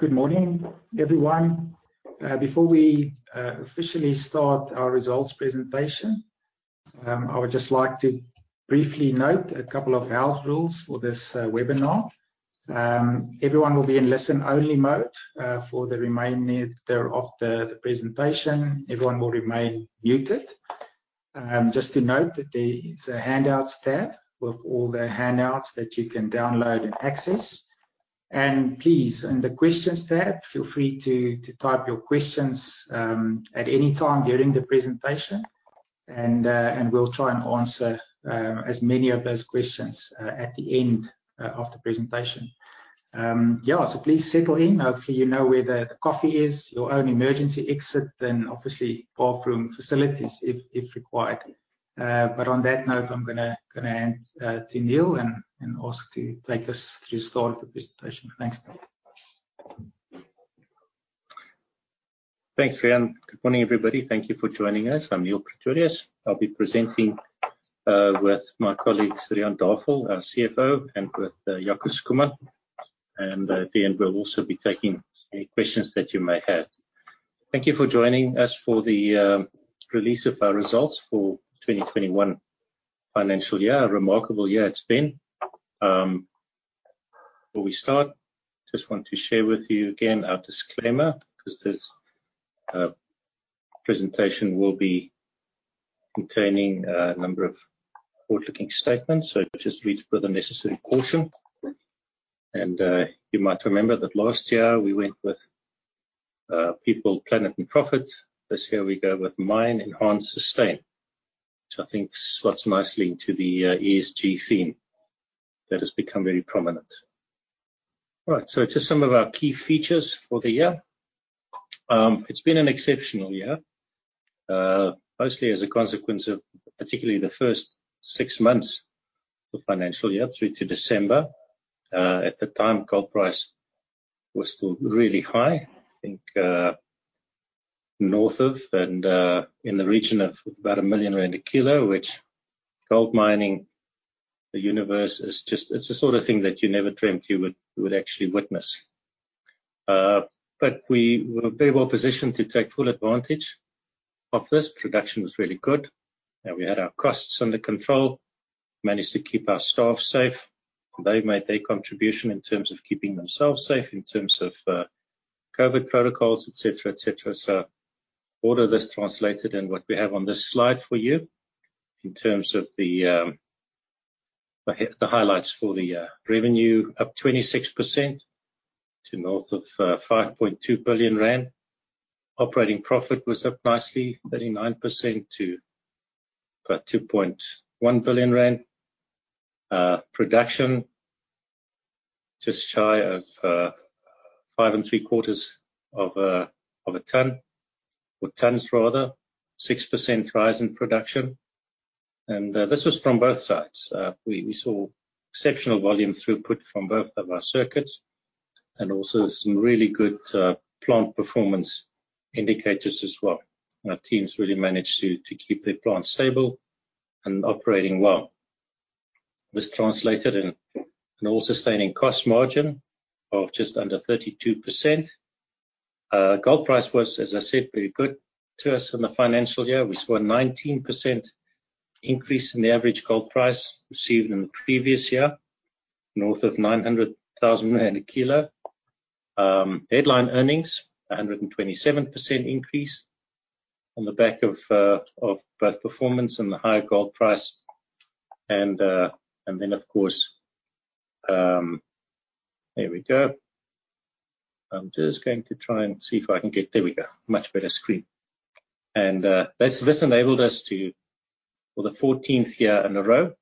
Good morning, everyone. Before we officially start our results presentation, I would just like to briefly note a couple of house rules for this webinar. Everyone will be in listen-only mode for the remainder of the presentation. Everyone will remain muted. Just to note that there is a handouts tab with all the handouts that you can download and access. Please, in the questions tab, feel free to type your questions at any time during the presentation, and we'll try and answer as many of those questions at the end of the presentation. Please settle in. Hopefully, you know where the coffee is, your own emergency exit, then obviously, bathroom facilities if required. On that note, I'm going to hand to Niël and ask to take us through the start of the presentation. Thanks. Thanks, Riaan. Good morning, everybody. Thank you for joining us. I'm Niël Pretorius. I'll be presenting with my colleagues, Riaan Davel, our CFO, and with Jaco Schoeman. At the end, we'll also be taking any questions that you may have. Thank you for joining us for the release of our results for 2021 financial year. A remarkable year it's been. Before we start, just want to share with you again our disclaimer, because this presentation will be containing a number of forward-looking statements, so just read with the necessary caution. You might remember that last year we went with people, planet, and profit. This year we go with mine, enhance, sustain, which I think slots nicely into the ESG theme that has become very prominent. Just some of our key features for the year. It's been an exceptional year. Mostly as a consequence of particularly the first six months of the financial year through to December. At the time, gold price was still really high, I think, north of and in the region of about 1 million rand a kilo, which gold mining, the universe, it's the sort of thing that you never dreamt you would actually witness. We were very well positioned to take full advantage of this. Production was really good, and we had our costs under control. Managed to keep our staff safe. They made their contribution in terms of keeping themselves safe, in terms of COVID protocols, et cetera. All of this translated in what we have on this slide for you in terms of the highlights for the year. Revenue up 26% to north of 5.2 billion rand. Operating profit was up nicely, 39% to about 2.1 billion rand. Production, just shy of five and three quarters of a ton. Tons rather, 6% rise in production. This was from both sites. We saw exceptional volume throughput from both of our circuits, and also some really good plant performance indicators as well. Our teams really managed to keep their plants stable and operating well. This translated in an all-sustaining cost margin of just under 32%. Gold price was, as I said, very good to us in the financial year. We saw a 19% increase in the average gold price received in the previous year, north of 900,000 rand a kilo. Headline earnings, 127% increase on the back of both performance and the high gold price. Of course There we go. I am just going to try and see if I can get There we go, much better screen. This enabled us to, for the 14th year in a row,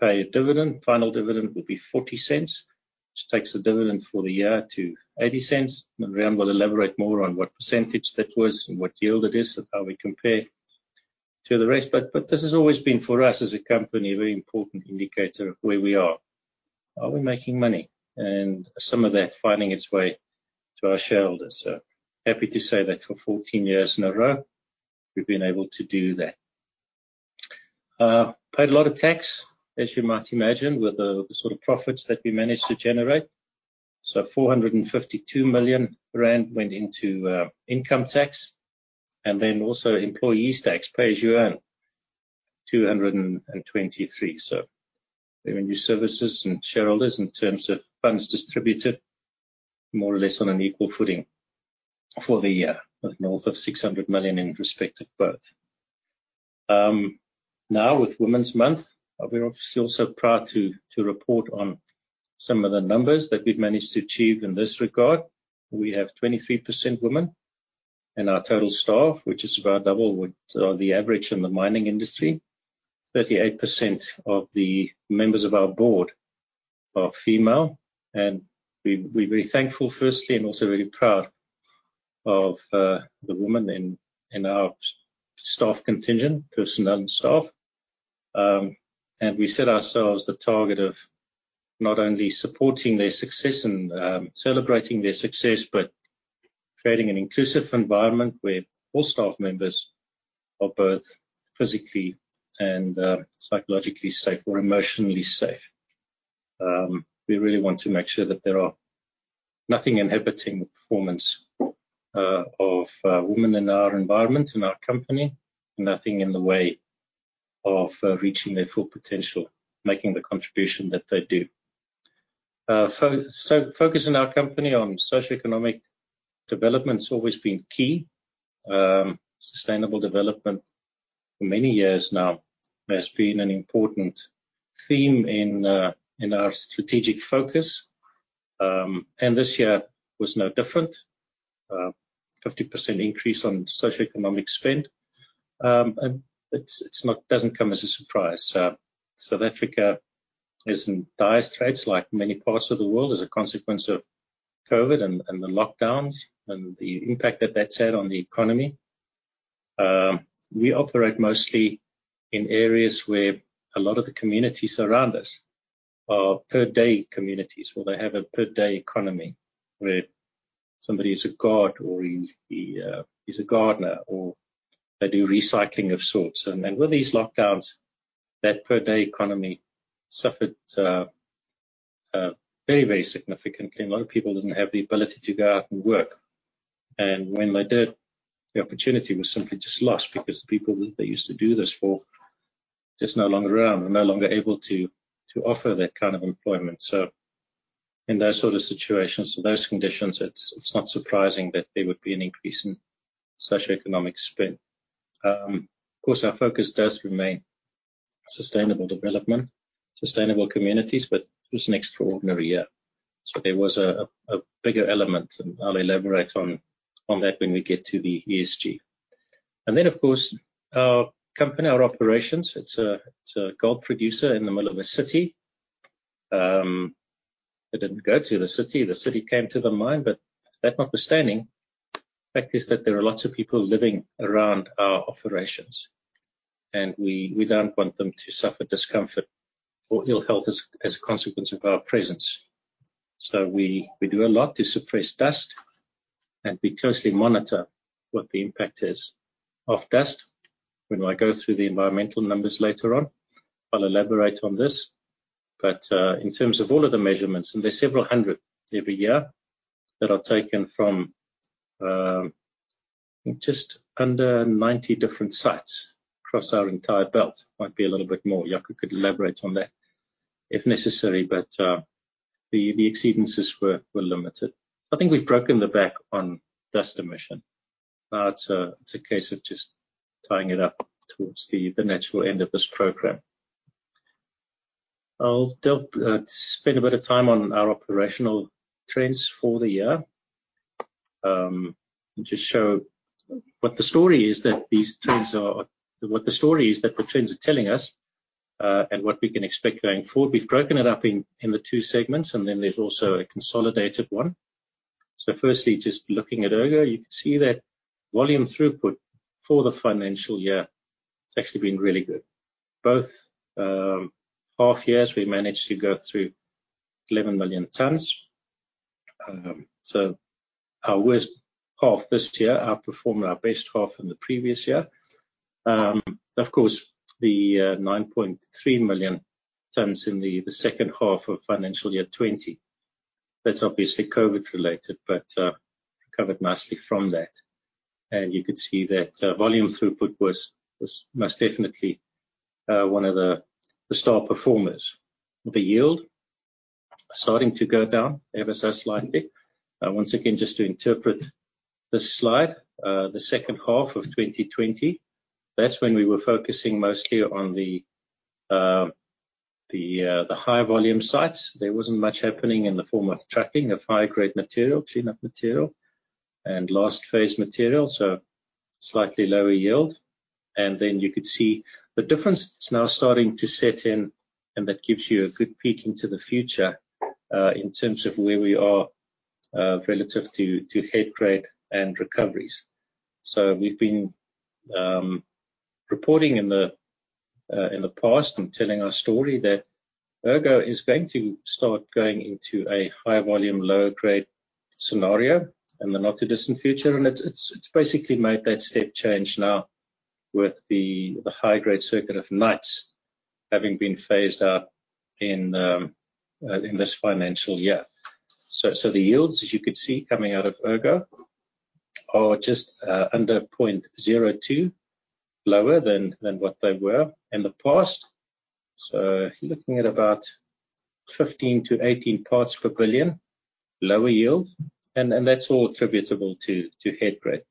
pay a dividend. Final dividend will be 0.40, which takes the dividend for the year to 0.80. Riaan will elaborate more on what percentage that was and what yield it is, and how we compare to the rest. This has always been for us as a company, a very important indicator of where we are. Are we making money? Some of that finding its way to our shareholders. Happy to say that for 14 years in a row, we've been able to do that. Paid a lot of tax, as you might imagine, with the sort of profits that we managed to generate. 452 million rand went into income tax and then also employees tax Pay As You Earn, 223 million. Revenue services and shareholders in terms of funds distributed, more or less on an equal footing for the year, north of 600 million in respect of both. With Women's Month, we're obviously also proud to report on some of the numbers that we've managed to achieve in this regard. We have 23% women in our total staff, which is about double what the average in the mining industry. 38% of the members of our board are female. We're very thankful, firstly, and also very proud of the women in our staff contingent, personnel and staff. We set ourselves the target of not only supporting their success and celebrating their success, but creating an inclusive environment where all staff members are both physically and psychologically safe or emotionally safe. We really want to make sure that there are nothing inhibiting the performance of women in our environment, in our company, nothing in the way of reaching their full potential, making the contribution that they do. Focus in our company on socioeconomic development's always been key. Sustainable development for many years now has been an important theme in our strategic focus. This year was no different. 50% increase on socioeconomic spend. It doesn't come as a surprise. South Africa is in dire straits like many parts of the world as a consequence of COVID and the lockdowns and the impact that that's had on the economy. We operate mostly in areas where a lot of the communities around us are per-day communities, where they have a per-day economy, where somebody is a guard or he is a gardener or they do recycling of sorts. With these lockdowns, that per-day economy suffered very significantly. A lot of people didn't have the ability to go out and work. When they did, the opportunity was simply just lost because the people they used to do this for just no longer around, were no longer able to offer that kind of employment. In those sort of situations, those conditions, it's not surprising that there would be an increase in socioeconomic spend. Of course, our focus does remain sustainable development, sustainable communities, but it was an extraordinary year. There was a bigger element, and I'll elaborate on that when we get to the ESG. Then, of course, our company, our operations, it's a gold producer in the middle of a city. They didn't go to the city, the city came to the mine, but that notwithstanding, fact is that there are lots of people living around our operations. We don't want them to suffer discomfort or ill health as a consequence of our presence. We do a lot to suppress dust, and we closely monitor what the impact is of dust. When I go through the environmental numbers later on, I'll elaborate on this. In terms of all of the measurements, and there's several hundred every year that are taken from just under 90 different sites across our entire belt. Might be a little bit more. Jaco could elaborate on that if necessary, but the exceedances were limited. I think we've broken the back on dust emission. Now it's a case of just tying it up towards the natural end of this program. I'll spend a bit of time on our operational trends for the year. Just show what the story is that the trends are telling us, and what we can expect going forward. We've broken it up into two segments, and then there's also a consolidated one. Firstly, just looking at Ergo, you can see that volume throughput for the financial year, it's actually been really good. Both half years, we managed to go through 11 million tons. Our worst half this year outperformed our best half in the previous year. Of course, the 9.3 million tons in the second half of financial year 2020, that's obviously COVID-related, but recovered nicely from that. You could see that volume throughput was most definitely one of the star performers. The yield starting to go down ever so slightly. Once again, just to interpret this slide, the second half of 2020, that's when we were focusing mostly on the high-volume sites. There wasn't much happening in the form of trucking of high-grade material, cleanup material, and last phase material, so slightly lower yield. You could see the difference is now starting to set in, and that gives you a good peek into the future, in terms of where we are relative to head grade and recoveries. We've been reporting in the past and telling our story that Ergo is going to start going into a higher volume, lower grade scenario in the not-too-distant future. It's basically made that step change now with the high-grade circuit of Knights having been phased out in this financial year. The yields, as you could see coming out of Ergo, are just under 0.02 lower than what they were in the past. Looking at about 15 to 18 parts per billion lower yield, and that's all attributable to head grade.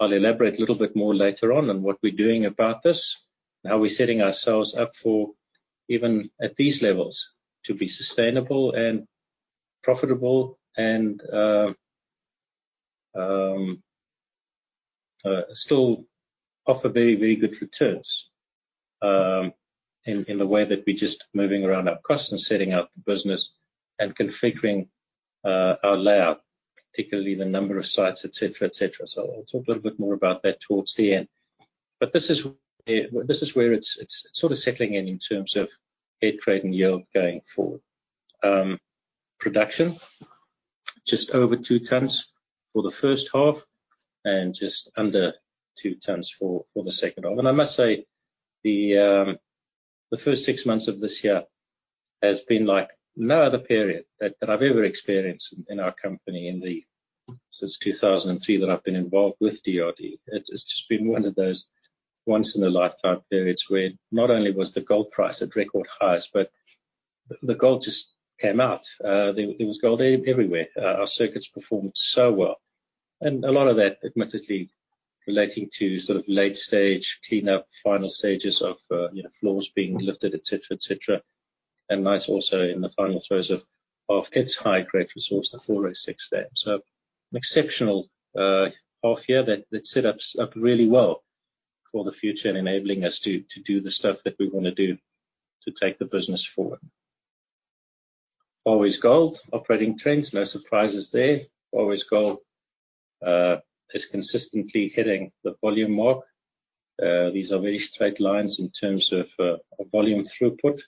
I'll elaborate a little bit more later on what we're doing about this and how we're setting ourselves up for even at these levels to be sustainable and profitable and still offer very good returns, in the way that we're just moving around our costs and setting up the business and configuring our layout, particularly the number of sites, et cetera. I'll talk a little bit more about that towards the end. This is where it's sort of settling in terms of head grade and yield going forward. Production just over two tons for the first half and just under two tons for the second half. I must say, the first six months of this year has been like no other period that I've ever experienced in our company since 2003 that I've been involved with DRDGOLD. It's just been one of those once-in-a-lifetime periods where not only was the gold price at record highs, but the gold just came out. There was gold everywhere. Our circuits performed so well, a lot of that admittedly relating to sort of late-stage cleanup, final stages of floors being lifted, et cetera. That's also in the final throes of its high-grade resource, the 4L6 Dam. An exceptional half-year that set us up really well for the future and enabling us to do the stuff that we want to do to take the business forward. DRDGOLD operating trends, no surprises there. DRDGOLD is consistently hitting the volume mark. These are very straight lines in terms of volume throughput.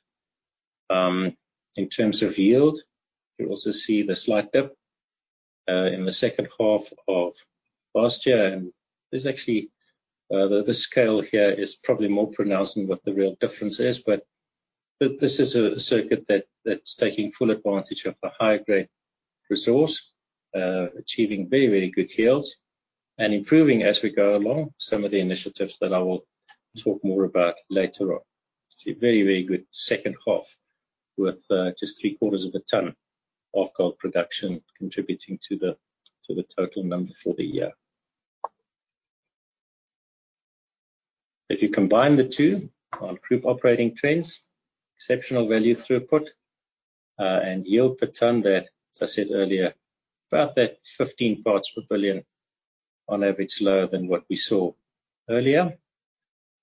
In terms of yield, you also see the slight dip in the second half of last year. The scale here is probably more pronounced than what the real difference is, but this is a circuit that's taking full advantage of the high-grade resource, achieving very good yields and improving as we go along some of the initiatives that I will talk more about later on. It's a very good second half with just 0.75 tons of gold production contributing to the total number for the year. If you combine the two on group operating trends, exceptional value throughput, and yield per ton that, as I said earlier, about that 15 parts per billion on average lower than what we saw earlier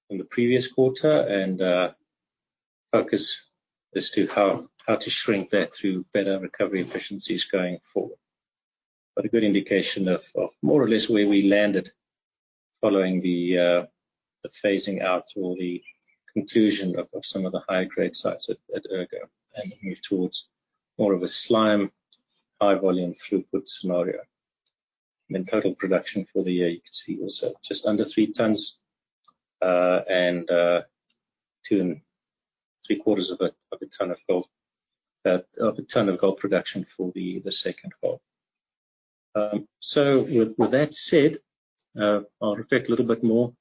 in the previous quarter and focus as to how to shrink that through better recovery efficiencies going forward. A good indication of more or less where we landed following the phasing out or the conclusion of some of the high-grade sites at Ergo and move towards more of a slime, high-volume throughput scenario. Total production for the year, you can see also just under 3 tons, and 2 and three-quarters of a ton of gold production for the second half. With that said, I'll reflect a little bit more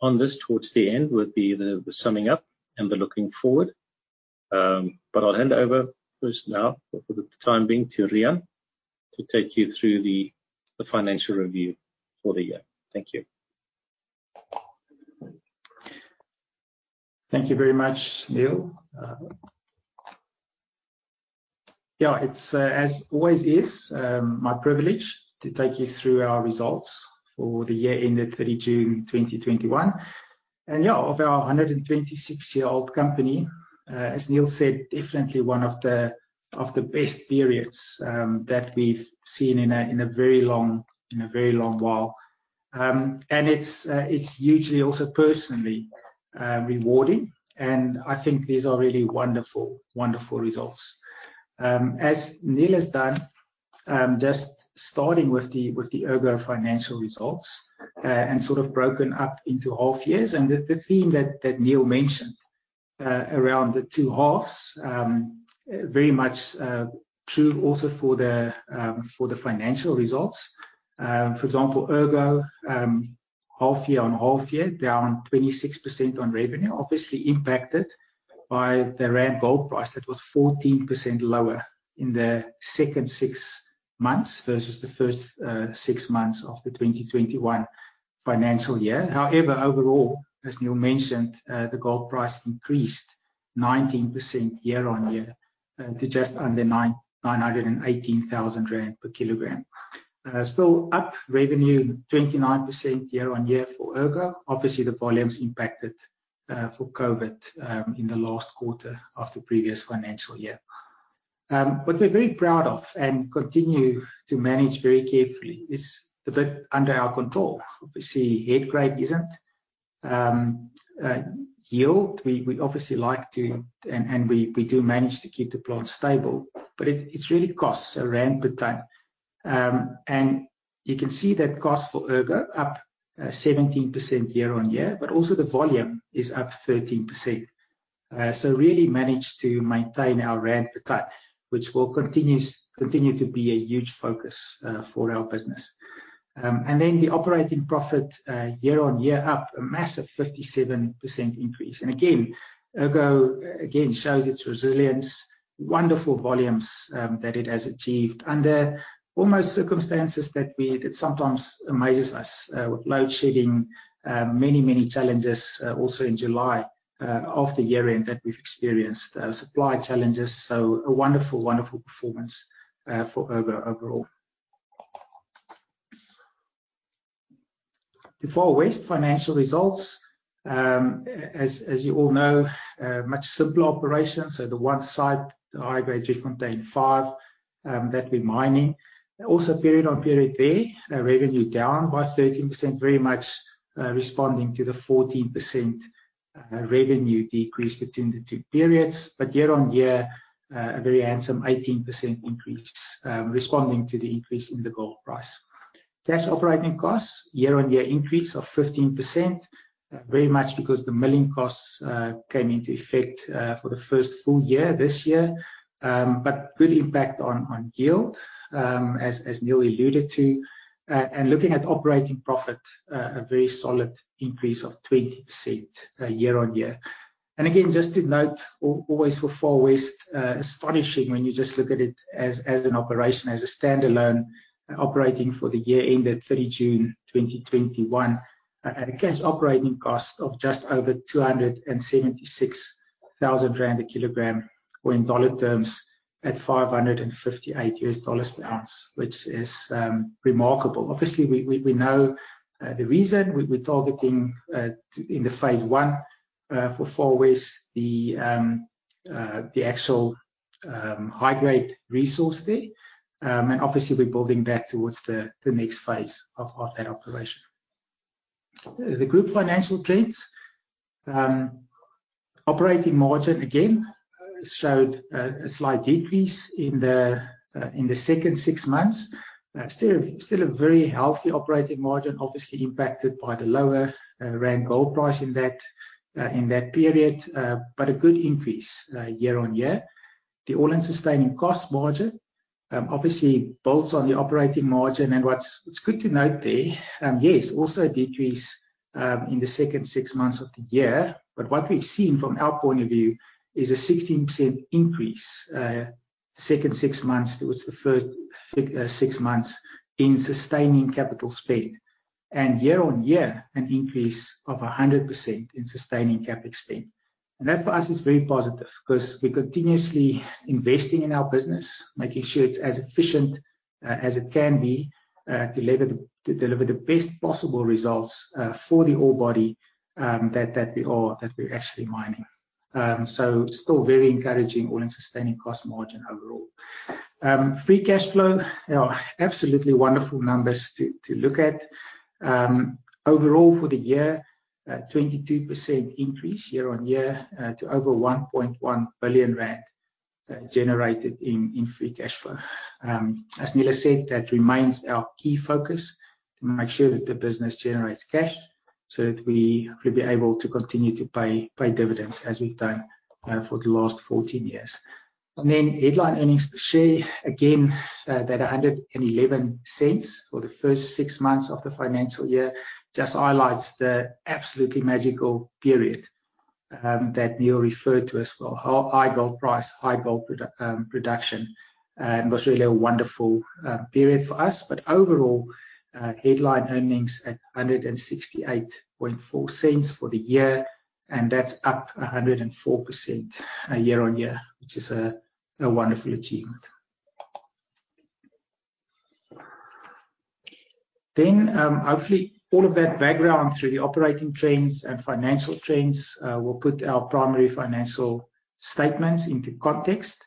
on this towards the end with the summing up and the looking forward. I'll hand over first now for the time being to Riaan to take you through the financial review for the year. Thank you. Thank you very much, Niël. It's, as always, is my privilege to take you through our results for the year ended 30 June 2021. Of our 126-year-old company, as Niël said, definitely one of the best periods that we've seen in a very long while. It's hugely also personally rewarding, and I think these are really wonderful results. As Niël has done, just starting with the Ergo financial results and sort of broken up into half years. The theme that Niël mentioned around the two halves, very much true also for the financial results. For example, Ergo, half year on half year, down 26% on revenue, obviously impacted by the rand gold price that was 14% lower in the second six months versus the first six months of the 2021 financial year. Overall, as Neil mentioned, the gold price increased 19% year-on-year to just under 918,000 rand per kilogram. Revenue up 29% year-on-year for Ergo. The volumes impacted for COVID in the last quarter of the previous financial year. What we're very proud of and continue to manage very carefully is the bit under our control. Head grade isn't. Yield, we obviously like to, and we do manage to keep the plant stable, but it's really costs rand per ton. You can see that cost for Ergo up 17% year-on-year, but also the volume is up 13%. Really managed to maintain our rand per ton, which will continue to be a huge focus for our business. The operating profit year-on-year up a massive 57% increase. Ergo again shows its resilience, wonderful volumes that it has achieved under almost circumstances that sometimes amazes us with load shedding, many challenges also in July of the year-end that we've experienced supply challenges. A wonderful performance for Ergo overall. The Far West financial results, as you all know, much simpler operation, the one site, the high-grade Driefontein 5 that we're mining. Also period-on-period there, revenue down by 13%, very much responding to the 14% revenue decrease between the two periods. Year-on-year, a very handsome 18% increase, responding to the increase in the gold price. Cash operating costs year-on-year increase of 15%, very much because the milling costs came into effect for the first full year this year. Good impact on yield, as Niël alluded to. Looking at operating profit, a very solid increase of 20% year-on-year. Again, just to note, always for Far West, astonishing when you just look at it as an operation, as a standalone operating for the year ended 30 June 2021. At a cash operating cost of just over 276,000 rand a kilogram, or in dollar terms at $558 per ounce, which is remarkable. Obviously, we know the reason we're targeting in the phase 1 for Far West, the actual high-grade resource there. Obviously, we're building back towards the next phase of that operation. The group financial trends. Operating margin, again, showed a slight decrease in the second 6 months. Still a very healthy operating margin, obviously impacted by the lower rand gold price in that period, but a good increase year-over-year. The all-in sustaining cost margin obviously bolts on the operating margin. What's good to note there, yes, also a decrease in the second six months of the year. What we've seen from our point of view is a 16% increase, second six months towards the first six months in sustaining capital spend. Year-on-year, an increase of 100% in sustaining capital spend. That for us is very positive because we're continuously investing in our business, making sure it's as efficient as it can be to deliver the best possible results for the ore body that we're actually mining. Still very encouraging all-in sustaining cost margin overall. Free cash flow, absolutely wonderful numbers to look at. Overall for the year, 22% increase year-on-year to over 1.1 billion rand generated in free cash flow. As Niël has said, that remains our key focus to make sure that the business generates cash so that we will be able to continue to pay dividends as we've done for the last 14 years. Headline earnings per share, again, that 1.11 for the first six months of the financial year just highlights the absolutely magical period that Niël referred to as well. High gold price, high gold production, was really a wonderful period for us. Overall, headline earnings at 1.684 for the year, that's up 104% year-over-year, which is a wonderful achievement. Hopefully, all of that background through the operating trends and financial trends will put our primary financial statements into context.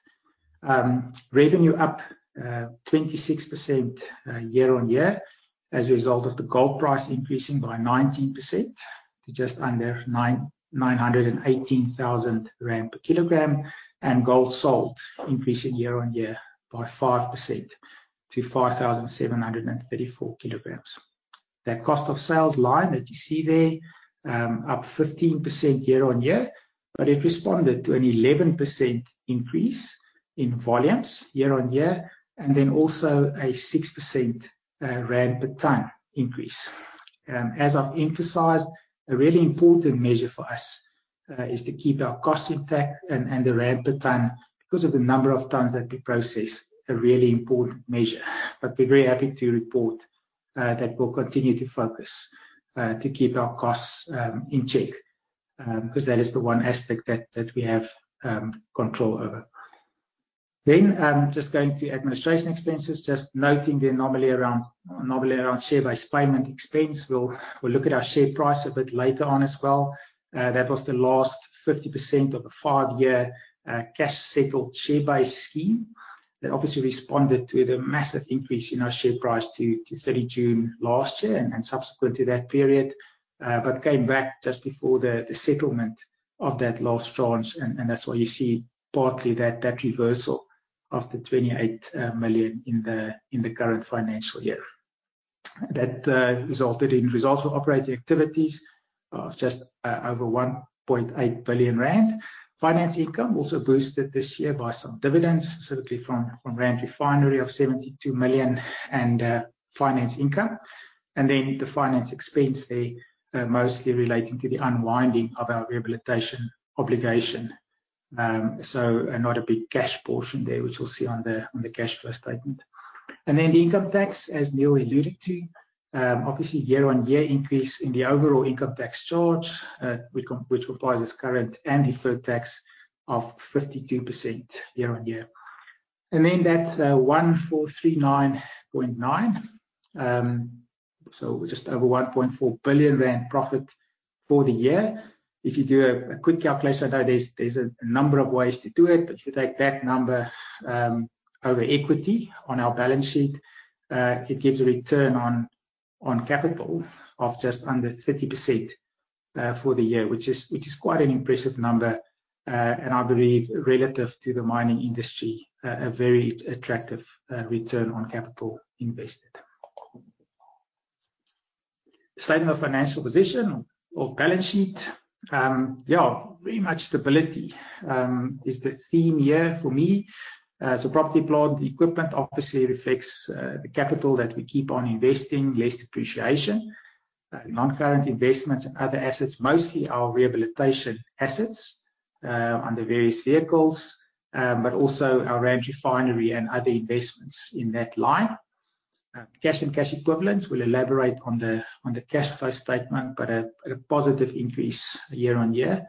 Revenue up 26% year-on-year as a result of the gold price increasing by 19% to just under 918,000 rand per kilogram, and gold sold increasing year-on-year by 5% to 5,734 kg. That cost of sales line that you see there, up 15% year-on-year, it responded to an 11% increase in volumes year-on-year, also a 6% ZAR per tonne increase. As I've emphasized, a really important measure for us is to keep our costs intact and the rand per tonne, because of the number of tonnes that we process, a really important measure. We're very happy to report that we'll continue to focus to keep our costs in check, because that is the one aspect that we have control over. Just going to administration expenses, just noting the anomaly around share-based payment expense. We'll look at our share price a bit later on as well. That was the last 50% of a five-year cash settled share-based scheme that obviously responded to the massive increase in our share price to 30 June last year and subsequent to that period. Came back just before the settlement of that last tranche, and that's why you see partly that reversal of the 28 million in the current financial year. That resulted in results of operating activities of just over 1.8 billion rand. Finance income also boosted this year by some dividends, specifically from Rand Refinery of 72 million and finance income. The finance expense there mostly relating to the unwinding of our rehabilitation obligation. Not a big cash portion there, which we'll see on the cash flow statement. The income tax, as Niël alluded to. Obviously, year-over-year increase in the overall income tax charge, which comprises current and deferred tax of 52% year-over-year. That 1,439.9. Just over 1.4 billion rand profit for the year. If you do a quick calculation, I know there's a number of ways to do it, but if you take that number over equity on our balance sheet, it gives a return on capital of just under 30% for the year, which is quite an impressive number. I believe relative to the mining industry, a very attractive return on capital invested. Statement of financial position or balance sheet. Very much stability is the theme here for me. Property, plant, equipment obviously reflects the capital that we keep on investing, less depreciation. Non-current investments and other assets, mostly our rehabilitation assets, under various vehicles, but also our Rand Refinery and other investments in that line. Cash and cash equivalents. We'll elaborate on the cash flow statement, but a positive increase year-on-year.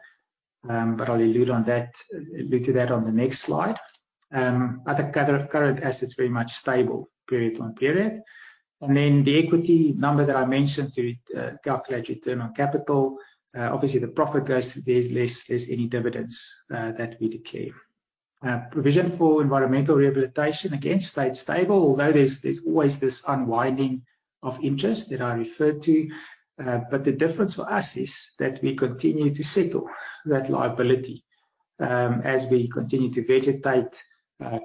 I'll allude to that on the next slide. Other current assets, very much stable period on period. The equity number that I mentioned to calculate return on capital. Obviously the profit goes, there's less as any dividends that we declare. Provision for environmental rehabilitation, again, stayed stable, although there's always this unwinding of interest that I referred to. The difference for us is that we continue to settle that liability, as we continue to vegetate,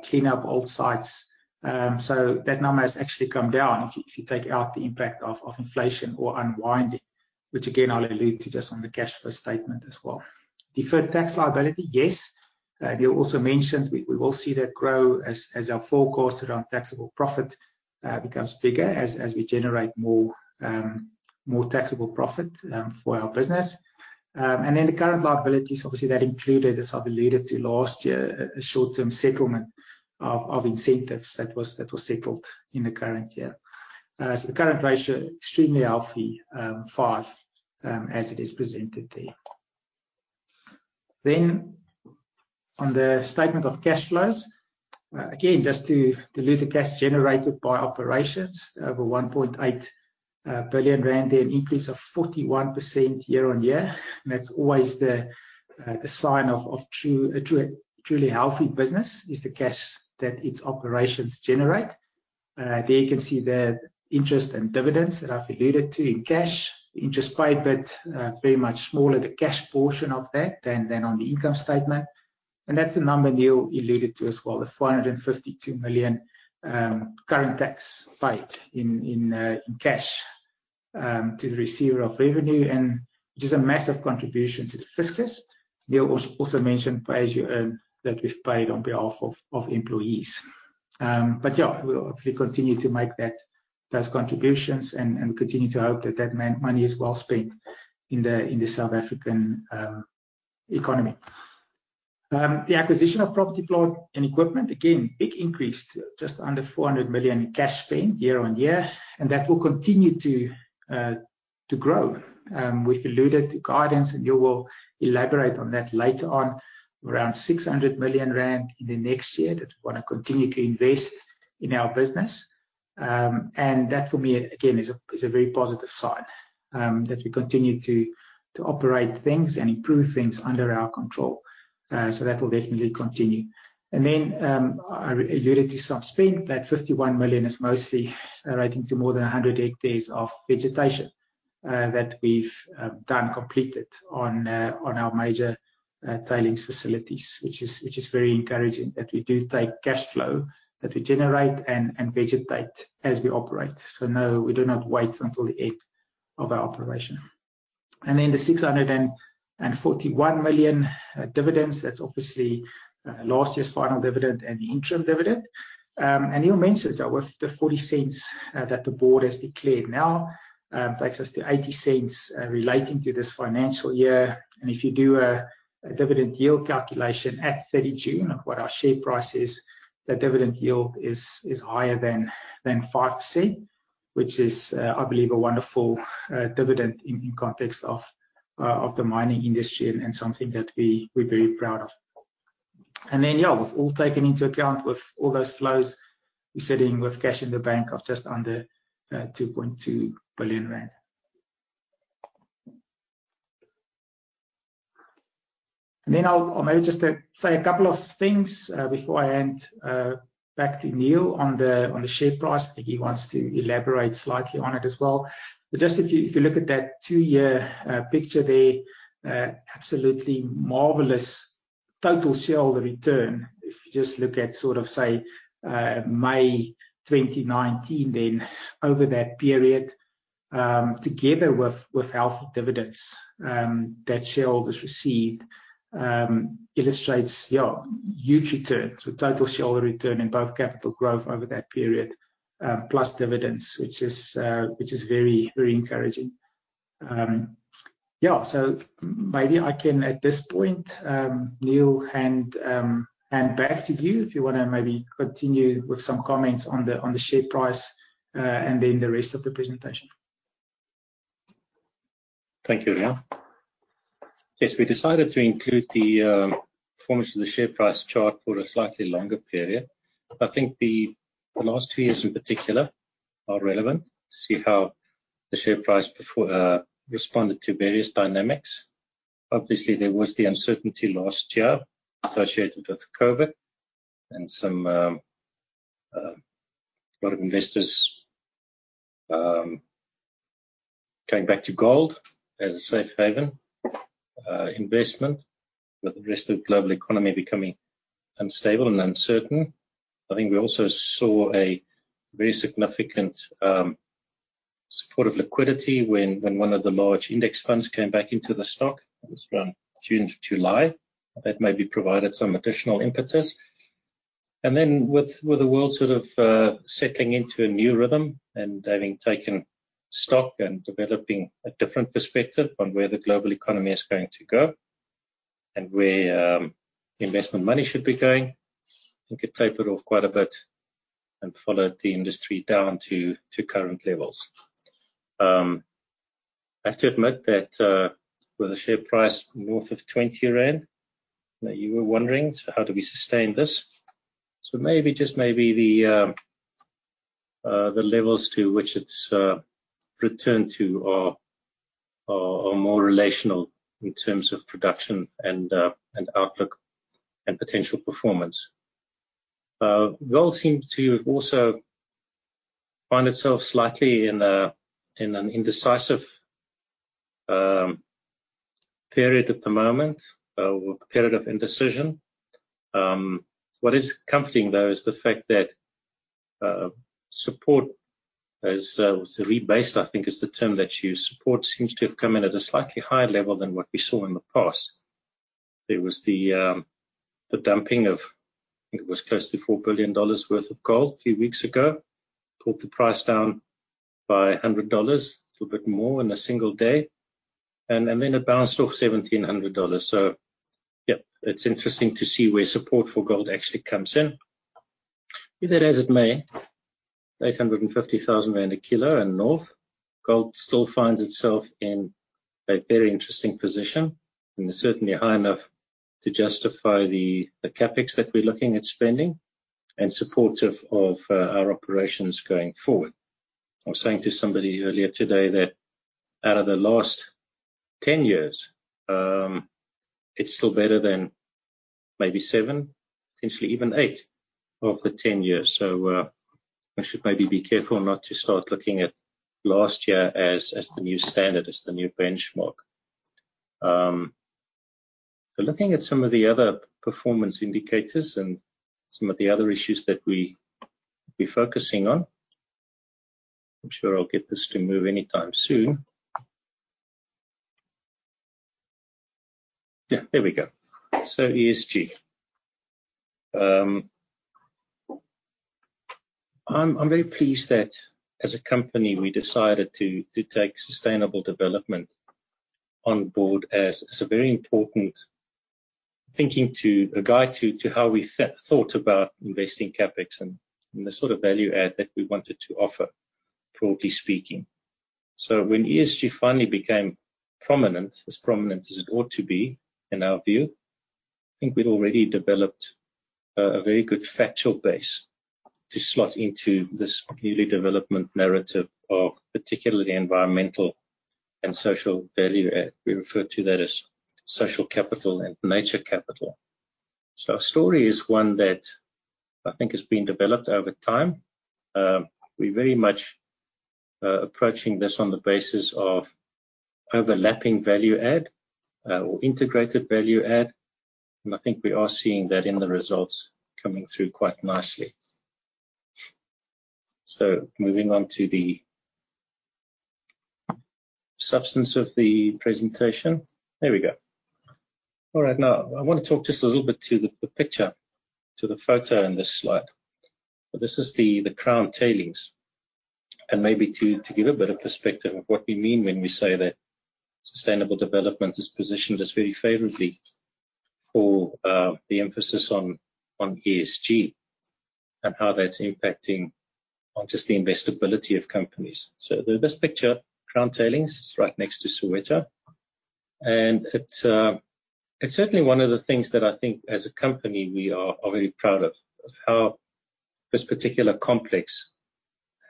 clean up old sites. That number has actually come down if you take out the impact of inflation or unwinding, which again, I'll allude to just on the cash flow statement as well. Deferred tax liability. Yes. Niël also mentioned we will see that grow as our forecast around taxable profit becomes bigger as we generate more taxable profit for our business. The current liabilities, obviously, that included, as I've alluded to last year, a short-term settlement of incentives that was settled in the current year. The current ratio, extremely healthy, 5, as it is presented there. On the statement of cash flows. Again, just to allude the cash generated by operations, over 1.8 billion rand, an increase of 41% year-over-year. That's always the sign of a truly healthy business, is the cash that its operations generate. There you can see the interest and dividends that I've alluded to in cash. Interest paid, but very much smaller, the cash portion of that than on the income statement. That's the number Niël alluded to as well, the 452 million current tax paid in cash, to the receiver of revenue and just a massive contribution to the fiscus. Niël also mentioned Pay As You Earn that we've paid on behalf of employees. Yeah, we'll hopefully continue to make those contributions and continue to hope that that money is well spent in the South African economy. The acquisition of property, plant and equipment, again, big increase to just under 400 million in cash paid year-on-year. That will continue to grow. We've alluded to guidance, and Niël will elaborate on that later on. Around 600 million rand in the next year that we wanna continue to invest in our business. That for me, again, is a very positive sign, that we continue to operate things and improve things under our control. That will definitely continue. I alluded to some spend, that 51 million is mostly relating to more than 100 hectares of vegetation that we've done, completed on our major tailings facilities, which is very encouraging that we do take cash flow, that we generate and vegetate as we operate. No, we do not wait until the end of our operation. The 641 million dividends, that's obviously last year's final dividend and the interim dividend. Niël mentioned that with the 0.40 that the board has declared now, takes us to 0.80 relating to this financial year. If you do a dividend yield calculation at 30 June of what our share price is, that dividend yield is higher than 5%, which is, I believe, a wonderful dividend in context of the mining industry and something that we're very proud of. With all taken into account, with all those flows, we're sitting with cash in the bank of just under 2.2 billion rand. I'll maybe just say a couple of things, before I hand back to Niël on the share price. I think he wants to elaborate slightly on it as well. Just if you look at that two-year picture there, absolutely marvelous total shareholder return. If you just look at May 2019, then over that period, together with healthy dividends that shareholders received, illustrates huge returns with total shareholder return in both capital growth over that period, plus dividends, which is very encouraging. Maybe I can at this point, Niël hand back to you if you wanna maybe continue with some comments on the share price, and then the rest of the presentation. Thank you, Riaan. Yes, we decided to include the performance of the share price chart for a slightly longer period. I think the last few years in particular are relevant to see how the share price responded to various dynamics. Obviously, there was the uncertainty last year associated with COVID and a lot of investors going back to gold as a safe haven investment with the rest of the global economy becoming unstable and uncertain. I think we also saw a very significant support of liquidity when one of the large index funds came back into the stock. It was around June to July. That maybe provided some additional impetus. With the world sort of settling into a new rhythm and having taken stock and developing a different perspective on where the global economy is going to go and where investment money should be going, I think it tapered off quite a bit and followed the industry down to current levels. I have to admit that with the share price north of 20 rand, that you were wondering, how do we sustain this? Maybe, just maybe, the levels to which it's returned to are more relational in terms of production and outlook and potential performance. Gold seems to also find itself slightly in an indecisive period at the moment, a period of indecision. What is comforting, though, is the fact that support has rebased, I think is the term that you use. Support seems to have come in at a slightly higher level than what we saw in the past. There was the dumping of, I think it was closely $4 billion worth of gold a few weeks ago. Pulled the price down by $100, a little bit more in a single day. Then it bounced off $1,700. Yep, it's interesting to see where support for gold actually comes in. Be that as it may, 850,000 rand a kilo and north, gold still finds itself in a very interesting position, and certainly high enough to justify the CapEx that we're looking at spending and supportive of our operations going forward. I was saying to somebody earlier today that out of the last 10 years, it's still better than maybe seven, potentially even eight of the 10 years. We should maybe be careful not to start looking at last year as the new standard, as the new benchmark. Looking at some of the other performance indicators and some of the other issues that we'll be focusing on. I'm sure I'll get this to move anytime soon. Yeah, there we go. ESG. I'm very pleased that as a company, we decided to take sustainable development on board as a very important guide to how we thought about investing CapEx and the sort of value add that we wanted to offer, broadly speaking. When ESG finally became prominent, as prominent as it ought to be in our view, I think we'd already developed a very good factual base to slot into this community development narrative of particularly environmental and social value add. We refer to that as social capital and nature capital. Our story is one that I think has been developed over time. We're very much approaching this on the basis of overlapping value add or integrated value add, and I think we are seeing that in the results coming through quite nicely. Moving on to the substance of the presentation. There we go. All right. I want to talk just a little bit to the picture, to the photo in this slide. This is the Crown tailings. Maybe to give a bit of perspective of what we mean when we say that sustainable development is positioned as very favorably for the emphasis on ESG and how that's impacting on just the investability of companies. This picture, Crown tailings, it's right next to Soweto. It's certainly one of the things that I think as a company, we are very proud of how this particular complex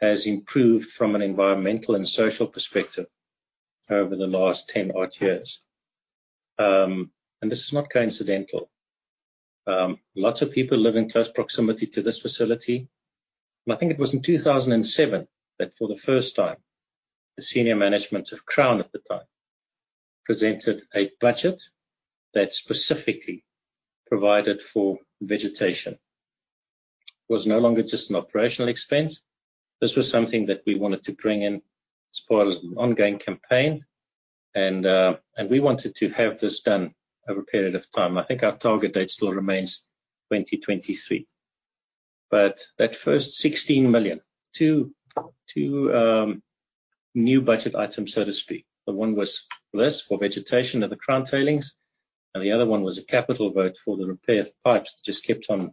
has improved from an environmental and social perspective over the last 10 odd years. This is not coincidental. Lots of people live in close proximity to this facility. I think it was in 2007 that for the first time, the senior management of Crown at the time presented a budget that specifically provided for vegetation. It was no longer just an operational expense. This was something that we wanted to bring in as part of an ongoing campaign. We wanted to have this done over a period of time. I think our target date still remains 2023. That first 16 million, two new budget items, so to speak. The one was this, for vegetation at the Crown tailings, and the other one was a capital vote for the repair of pipes that just kept on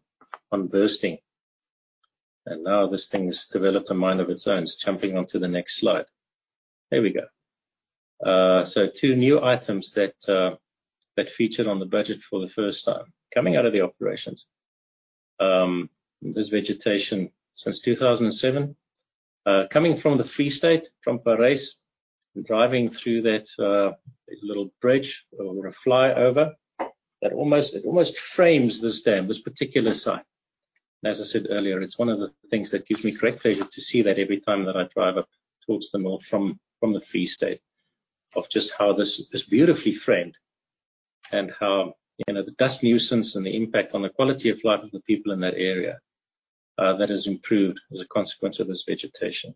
bursting. Now this thing's developed a mind of its own. It's jumping onto the next slide. There we go. Two new items that featured on the budget for the first time. Coming out of the operations, there's vegetation since 2007, coming from the Free State, from Parys, and driving through that little bridge or a flyover that almost frames this dam, this particular site. As I said earlier, it's one of the things that gives me great pleasure to see that every time that I drive up towards the north from the Free State, of just how this is beautifully framed, and how the dust nuisance and the impact on the quality of life of the people in that area, that has improved as a consequence of this vegetation.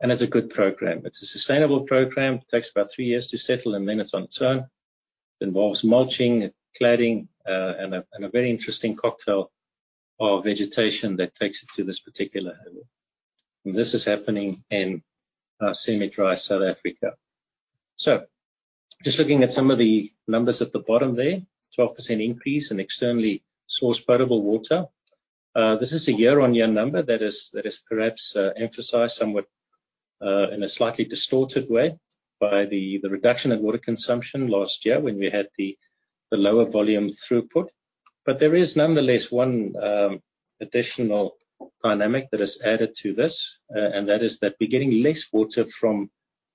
It's a good program. It's a sustainable program. It takes about three years to settle, and then it's on its own. Involves mulching, cladding, and a very interesting cocktail of vegetation that takes it to this particular level. This is happening in semi-dry South Africa. Just looking at some of the numbers at the bottom there, 12% increase in externally sourced potable water. This is a year-on-year number that is perhaps emphasized somewhat in a slightly distorted way by the reduction of water consumption last year when we had the lower volume throughput. There is nonetheless one additional dynamic that has added to this, and that is that we're getting less water from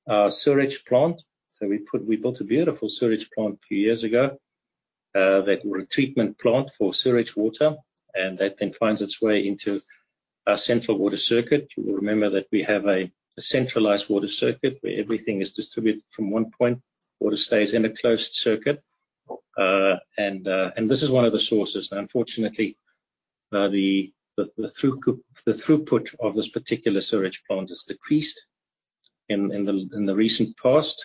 our sewage plant. We built a beautiful sewage plant a few years ago. That treatment plant for sewage water, and that then finds its way into our central water circuit. You will remember that we have a centralized water circuit where everything is distributed from one point. Water stays in a closed circuit. This is one of the sources. Unfortunately, the throughput of this particular sewage plant has decreased in the recent past,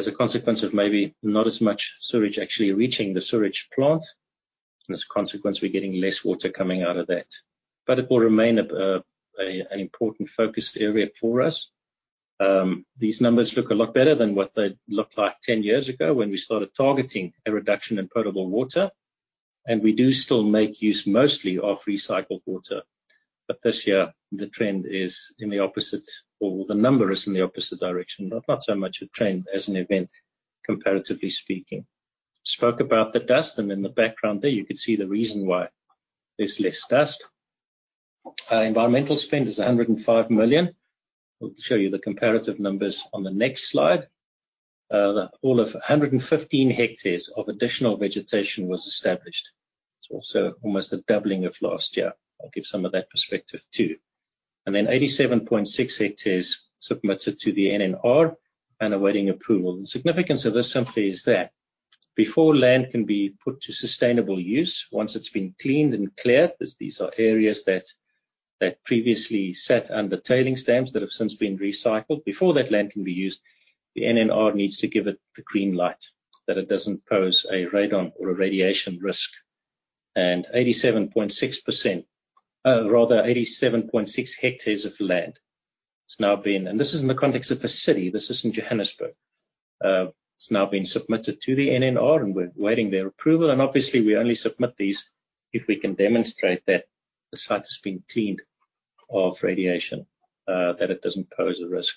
as a consequence of maybe not as much sewage actually reaching the sewage plant. As a consequence, we're getting less water coming out of that. It will remain an important focus area for us. These numbers look a lot better than what they looked like 10 years ago when we started targeting a reduction in potable water, and we do still make use mostly of recycled water. This year, the trend is in the opposite, or the number is in the opposite direction, but not so much a trend as an event, comparatively speaking. Spoke about the dust, and in the background there, you could see the reason why there's less dust. Environmental spend is 105 million. We'll show you the comparative numbers on the next slide. All of 115 ha of additional vegetation was established. It's also almost a doubling of last year. I'll give some of that perspective, too. 87.6 ha submitted to the NNR and awaiting approval. The significance of this simply is that before land can be put to sustainable use, once it's been cleaned and cleared, as these are areas that previously sat under tailings dams that have since been recycled. Before that land can be used, the NNR needs to give it the green light that it doesn't pose a radon or a radiation risk. 87.6%, or rather 87.6 ha of land has now been submitted to the NNR. This is in the context of a city, this is in Johannesburg. We're awaiting their approval. Obviously, we only submit these if we can demonstrate that the site has been cleaned of radiation, that it doesn't pose a risk,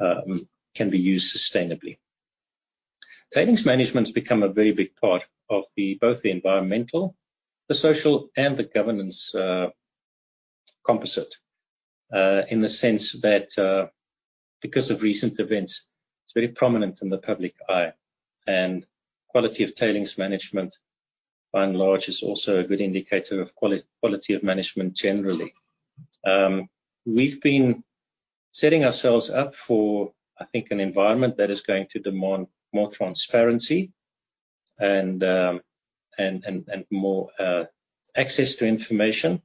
can be used sustainably. Tailings management's become a very big part of both the environmental, the social, and the governance composite. In the sense that because of recent events, it's very prominent in the public eye, and quality of tailings management, by and large, is also a good indicator of quality of management generally. We've been setting ourselves up for, I think, an environment that is going to demand more transparency and more access to information,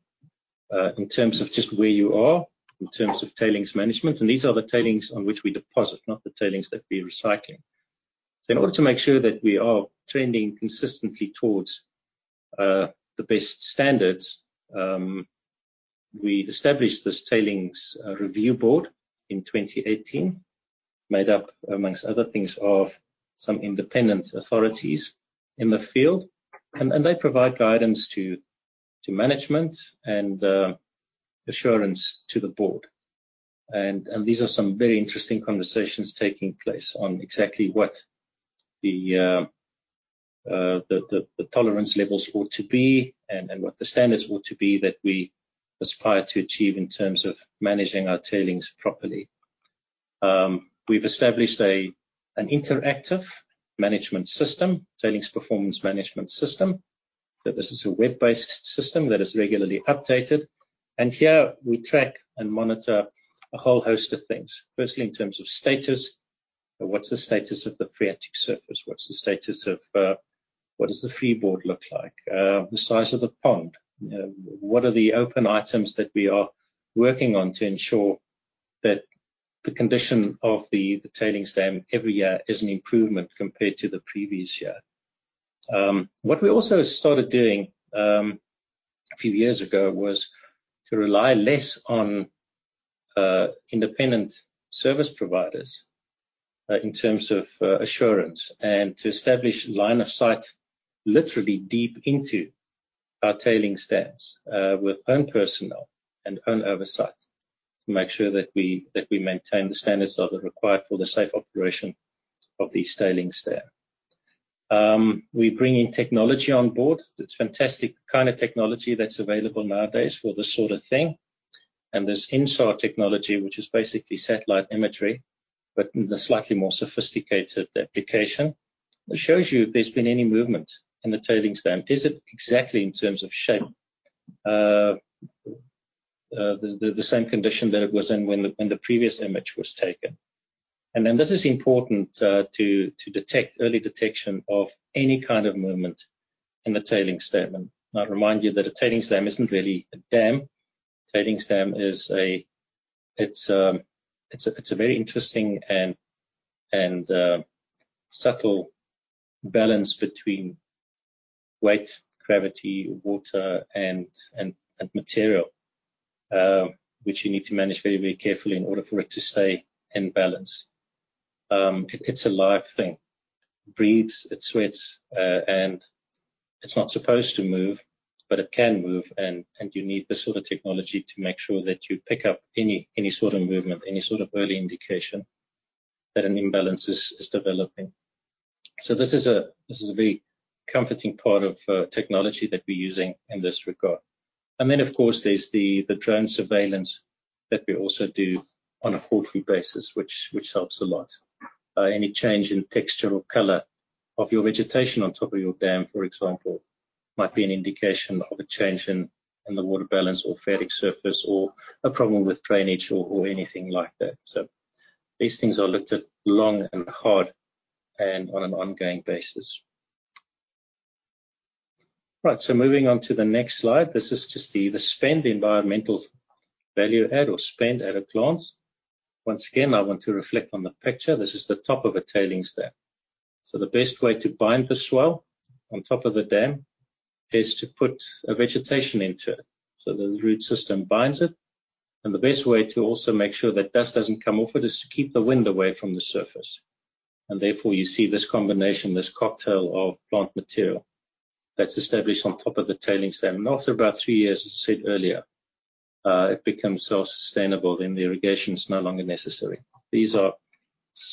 in terms of just where you are, in terms of tailings management. These are the tailings on which we deposit, not the tailings that we're recycling. In order to make sure that we are trending consistently towards the best standards, we established this Tailings Review Board in 2018, made up, amongst other things, of some independent authorities in the field. They provide guidance to management and assurance to the board. These are some very interesting conversations taking place on exactly what the tolerance levels ought to be and what the standards ought to be that we aspire to achieve in terms of managing our tailings properly. We've established an interactive management system, tailings performance management system. That this is a web-based system that is regularly updated. Here we track and monitor a whole host of things. Firstly, in terms of status. What's the status of the phreatic surface? What does the freeboard look like? The size of the pond. What are the open items that we are working on to ensure that the condition of the tailings dam every year is an improvement compared to the previous year? What we also started doing a few years ago was to rely less on independent service providers in terms of assurance and to establish line of sight, literally deep into our tailings dams with own personnel and own oversight to make sure that we maintain the standards that are required for the safe operation of these tailings dam. We bring in technology on board. It's fantastic kind of technology that's available nowadays for this sort of thing. There's InSAR technology, which is basically satellite imagery, but in a slightly more sophisticated application that shows you if there's been any movement in the tailings dam. Is it exactly in terms of shape the same condition that it was in when the previous image was taken? This is important to detect early detection of any kind of movement in the tailings dam. I'd remind you that a tailings dam isn't really a dam. A tailings dam, it's a very interesting and subtle balance between weight, gravity, water, and material, which you need to manage very, very carefully in order for it to stay in balance. It's a live thing. It breathes, it sweats, and it's not supposed to move, but it can move and you need this sort of technology to make sure that you pick up any sort of movement, any sort of early indication that an imbalance is developing. This is a very comforting part of technology that we're using in this regard. Of course, there's the drone surveillance that we also do on a fortnightly basis which helps a lot. Any change in texture or color of your vegetation on top of your dam, for example, might be an indication of a change in the water balance or phreatic surface or a problem with drainage or anything like that. These things are looked at long and hard and on an ongoing basis. Right. Moving on to the next slide. This is just the spend environmental value add or spend at a glance. Once again, I want to reflect on the picture. This is the top of a tailings dam. The best way to bind the soil on top of the dam is to put a vegetation into it so the root system binds it, and the best way to also make sure that dust doesn't come off it is to keep the wind away from the surface. Therefore, you see this combination, this cocktail of plant material that's established on top of the tailings dam. After about 3 years, as I said earlier, it becomes self-sustainable, then the irrigation is no longer necessary. It's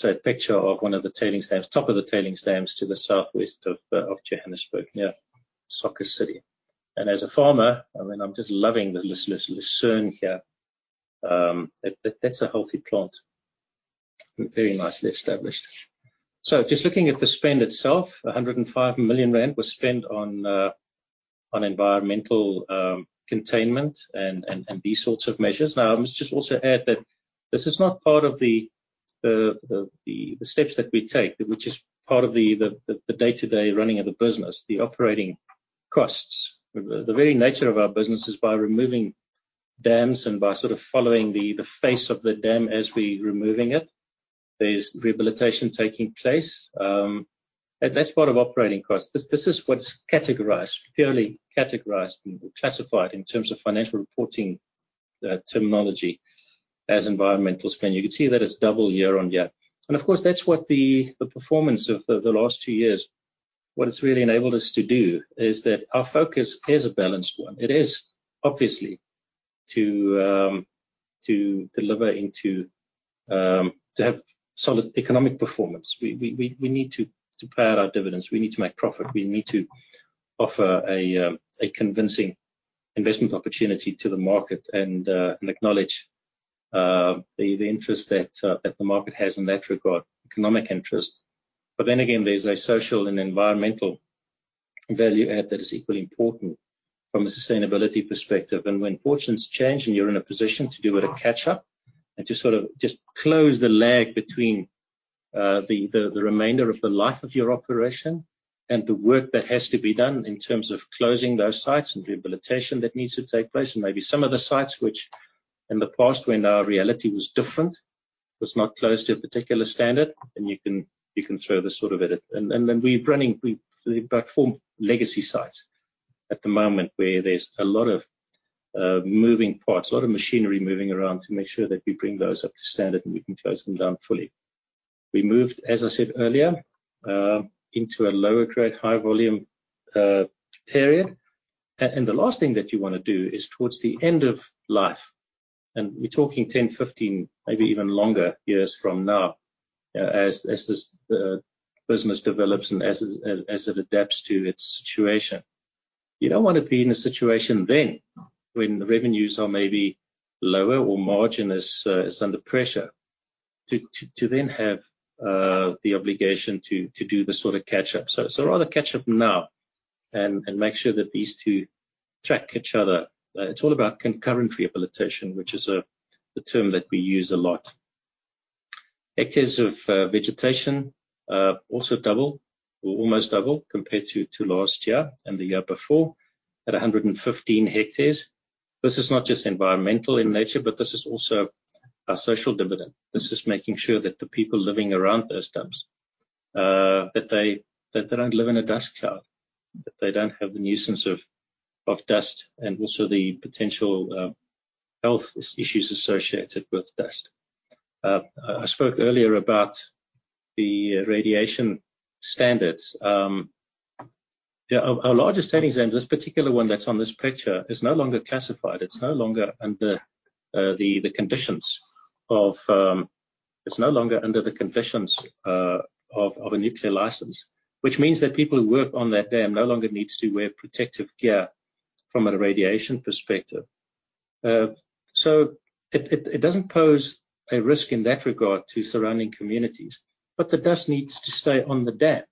a picture of one of the tailings dams, top of the tailings dams to the southwest of Johannesburg, near Soccer City. As a farmer, I mean, I'm just loving the lucerne here. That's a healthy plant. Very nicely established. Just looking at the spend itself, 105 million rand was spent on environmental containment and these sorts of measures. Now, I must just also add that this is not part of the steps that we take, which is part of the day-to-day running of the business, the operating costs. The very nature of our business is by removing dams and by sort of following the face of the dam as we're removing it. There's rehabilitation taking place. That's part of operating costs. This is what's categorized, purely categorized and classified in terms of financial reporting terminology as environmental spend. You can see that it's double year-over-year. Of course, that's what the performance of the last two years, what it's really enabled us to do is that our focus is a balanced one. It is obviously to have solid economic performance. We need to pay out our dividends. We need to make profit. We need to offer a convincing investment opportunity to the market and acknowledge the interest that the market has in that regard, economic interest. Again, there's a social and environmental value add that is equally important from a sustainability perspective. When fortunes change and you're in a position to do a bit of catch-up and to sort of just close the lag between the remainder of the life of your operation and the work that has to be done in terms of closing those sites and rehabilitation that needs to take place. Maybe some of the sites which in the past when our reality was different, was not close to a particular standard, and you can throw this sort of at it. Then we're running platform legacy sites at the moment where there's a lot of moving parts, a lot of machinery moving around to make sure that we bring those up to standard, and we can close them down fully. We moved, as I said earlier, into a lower grade, high volume period. The last thing that you want to do is towards the end of life, and we're talking 10, 15, maybe even longer years from now as this business develops and as it adapts to its situation. You don't want to be in a situation then when the revenues are maybe lower or margin is under pressure to then have the obligation to do the sort of catch-up. Rather catch up now and make sure that these two track each other. It's all about concurrent rehabilitation, which is the term that we use a lot. Hectares of vegetation also double or almost double compared to last year and the year before at 115 hectares. This is not just environmental in nature, but this is also a social dividend. This is making sure that the people living around those dumps, that they don't live in a dust cloud. They don't have the nuisance of dust and also the potential health issues associated with dust. I spoke earlier about the radiation standards. Our largest tailings dam, this particular one that's on this picture, is no longer classified. It's no longer under the conditions of a nuclear license, which means that people who work on that dam no longer need to wear protective gear from a radiation perspective. It doesn't pose a risk in that regard to surrounding communities, but the dust needs to stay on the dam.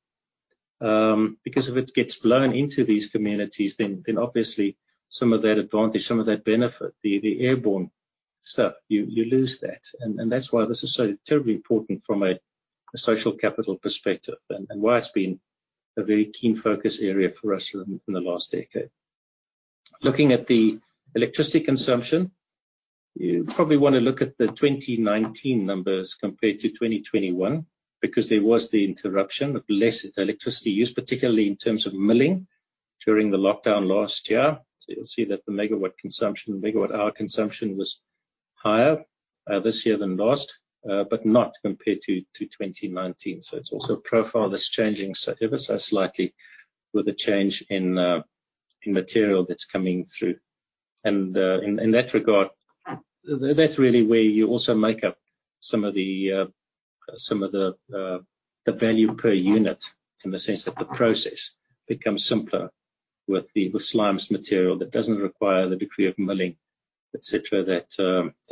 If it gets blown into these communities, then obviously some of that advantage, some of that benefit, the airborne stuff, you lose that. That's why this is so terribly important from a social capital perspective and why it's been a very keen focus area for us in the last decade. Looking at the electricity consumption, you probably want to look at the 2019 numbers compared to 2021 because there was the interruption of less electricity use, particularly in terms of milling during the lockdown last year. You'll see that the megawatt-hour consumption was higher this year than last but not compared to 2019. In that regard, that's really where you also make up some of the value per unit in the sense that the process becomes simpler with the slimes material that doesn't require the degree of milling, et cetera, that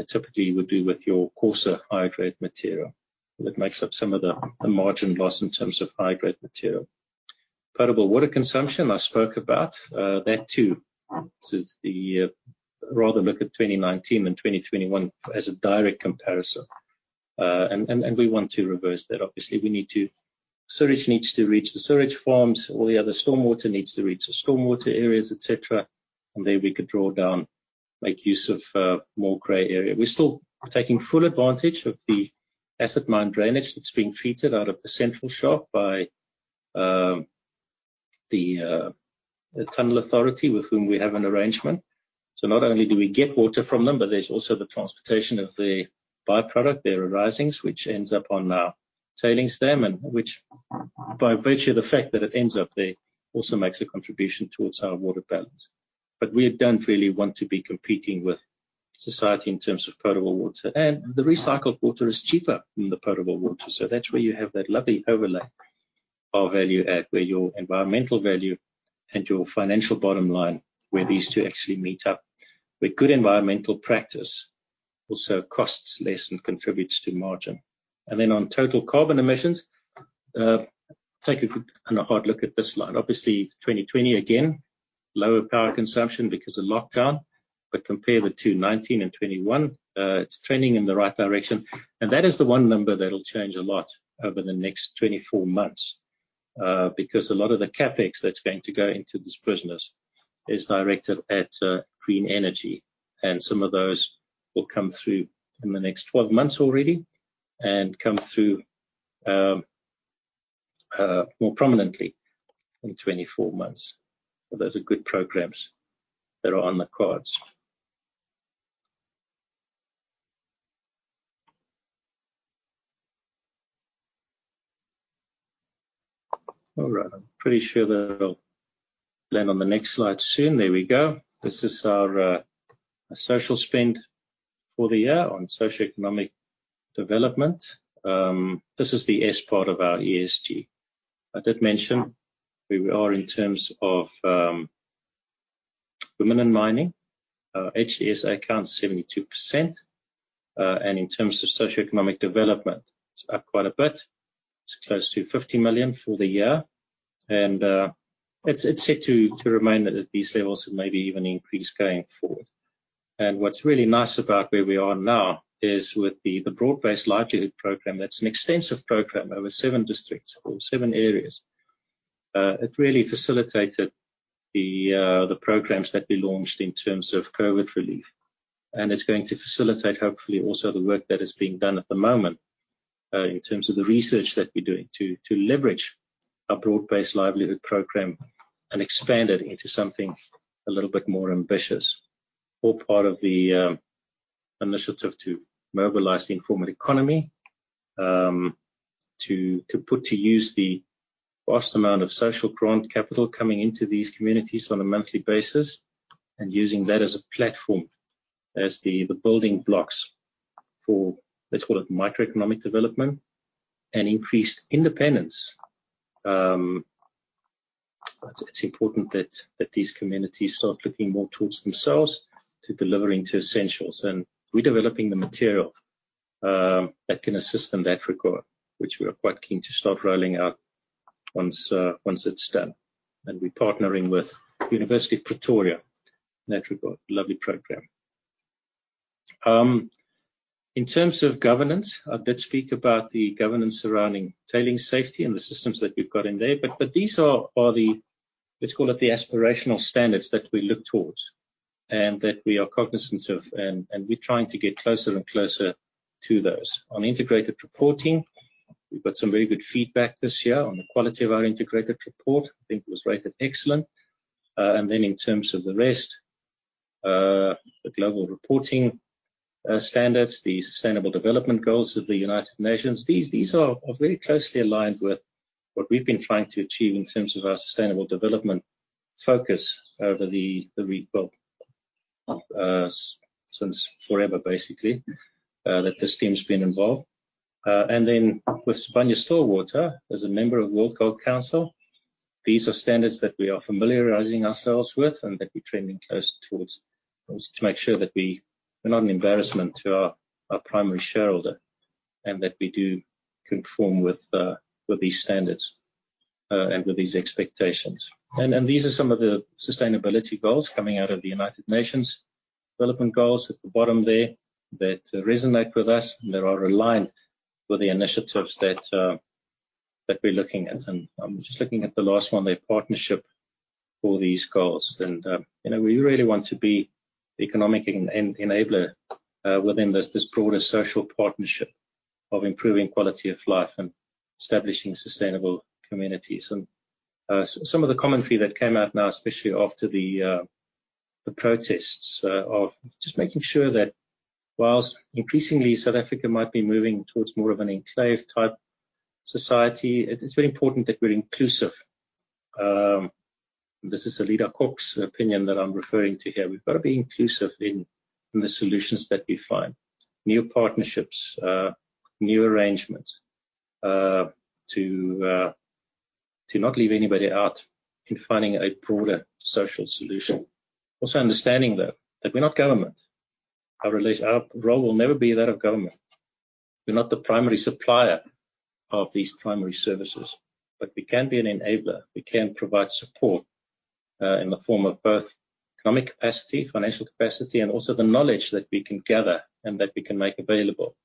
typically you would do with your coarser, higher-grade material. That makes up some of the margin loss in terms of high-grade material. Potable water consumption, I spoke about. That too. Rather look at 2019 than 2021 as a direct comparison. We want to reverse that. Obviously, sewage needs to reach the sewage farms, all the other stormwater needs to reach the stormwater areas, et cetera, and there we could draw down, make use of more gray area. We're still taking full advantage of the acid mine drainage that's being treated out of the Central Basin by the tunnel authority with whom we have an arrangement. Not only do we get water from them, but there's also the transportation of the byproduct, their arisings, which ends up on our tailings dam, and which by virtue of the fact that it ends up there, also makes a contribution towards our water balance. We don't really want to be competing with society in terms of potable water. The recycled water is cheaper than the potable water. That's where you have that lovely overlay of value add, where your environmental value and your financial bottom line, where these two actually meet up. Where good environmental practice also costs less and contributes to margin. Then on total carbon emissions, take a good and a hard look at this slide. Obviously, 2020, again, lower power consumption because of lockdown. Compare the 2019 and 2021, it's trending in the right direction. That is the one number that'll change a lot over the next 24 months because a lot of the CapEx that's going to go into this business is directed at green energy, and some of those will come through in the next 12 months already and come through more prominently in 24 months. Those are good programs that are on the cards. All right. I'm pretty sure that I'll land on the next slide soon. There we go. This is our social spend for the year on socioeconomic development. This is the S part of our ESG. I did mention where we are in terms of women in mining. HDSA accounts, 72%. In terms of socioeconomic development, it's up quite a bit. It's close to 50 million for the year. It's set to remain at these levels and maybe even increase going forward. What's really nice about where we are now is with the broad-based livelihood program, that's an extensive program over seven districts or seven areas. It really facilitated the programs that we launched in terms of COVID relief. It's going to facilitate, hopefully, also the work that is being done at the moment in terms of the research that we're doing to leverage our broad-based livelihood program and expand it into something a little bit more ambitious. All part of the initiative to mobilize the informal economy, to put to use the vast amount of social grant capital coming into these communities on a monthly basis and using that as a platform, as the building blocks for, let's call it, microeconomic development and increased independence. It's important that these communities start looking more towards themselves to delivering to essentials. We're developing the material that can assist in that regard, which we are quite keen to start rolling out once it's done. We're partnering with University of Pretoria in that regard. Lovely program. In terms of governance, I did speak about the governance surrounding tailings safety and the systems that we've got in there. These are the, let's call it, the aspirational standards that we look towards. That we are cognizant of, and we're trying to get closer and closer to those. On integrated reporting, we've got some very good feedback this year on the quality of our integrated report. I think it was rated excellent. In terms of the rest, the global reporting standards, the sustainable development goals of the United Nations, these are very closely aligned with what we've been trying to achieve in terms of our sustainable development focus over the rebuild since forever, basically, that this team's been involved. With Sibanye-Stillwater, as a member of World Gold Council, these are standards that we are familiarizing ourselves with and that we're trending closely towards, to make sure that we're not an embarrassment to our primary shareholder and that we do conform with these standards and with these expectations. These are some of the sustainability goals coming out of the United Nations development goals at the bottom there that resonate with us and that are aligned with the initiatives that we're looking at. I'm just looking at the last one there, partnership for these goals. We really want to be economic enabler within this broader social partnership of improving quality of life and establishing sustainable communities. Some of the commentary that came out now, especially after the protests, of just making sure that whilst increasingly South Africa might be moving towards more of an enclave type society, it's very important that we're inclusive. This is Aleta Cox's opinion that I'm referring to here. We've got to be inclusive in the solutions that we find. New partnerships, new arrangements, to not leave anybody out in finding a broader social solution. Also understanding, though, that we're not government. Our role will never be that of government. We're not the primary supplier of these primary services. We can be an enabler. We can provide support, in the form of both economic capacity, financial capacity, and also the knowledge that we can gather and that we can make available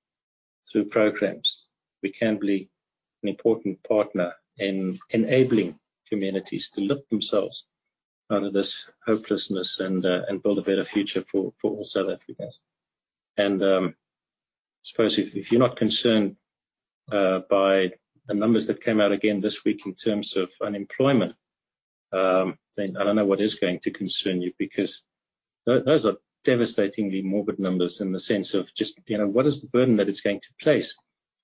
through programs. We can be an important partner in enabling communities to lift themselves out of this hopelessness and build a better future for all South Africans. Suppose if you're not concerned by the numbers that came out again this week in terms of unemployment, then I don't know what is going to concern you, because those are devastatingly morbid numbers in the sense of just, what is the burden that it's going to place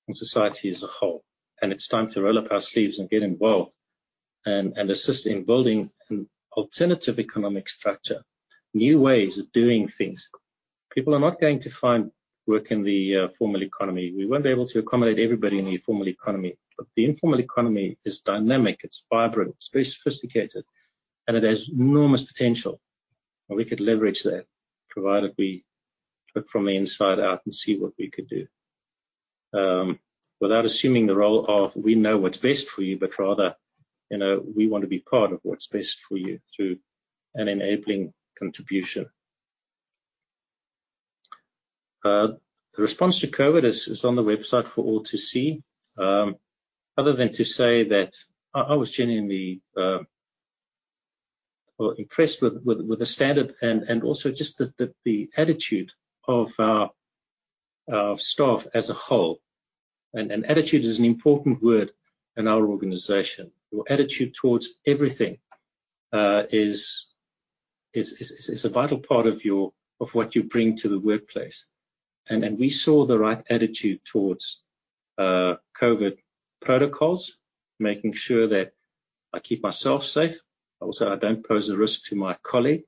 on society as a whole? It's time to roll up our sleeves and get involved and assist in building an alternative economic structure, new ways of doing things. People are not going to find work in the formal economy. We won't be able to accommodate everybody in the formal economy. The informal economy is dynamic, it's vibrant, it's very sophisticated, and it has enormous potential, we could leverage that provided we look from the inside out and see what we could do. Without assuming the role of we know what's best for you, but rather, we want to be part of what's best for you through an enabling contribution. The response to COVID is on the website for all to see. Other than to say that I was genuinely impressed with the standard and also just the attitude of staff as a whole. Attitude is an important word in our organization. Your attitude towards everything is a vital part of what you bring to the workplace. We saw the right attitude towards COVID protocols, making sure that I keep myself safe. I don't pose a risk to my colleague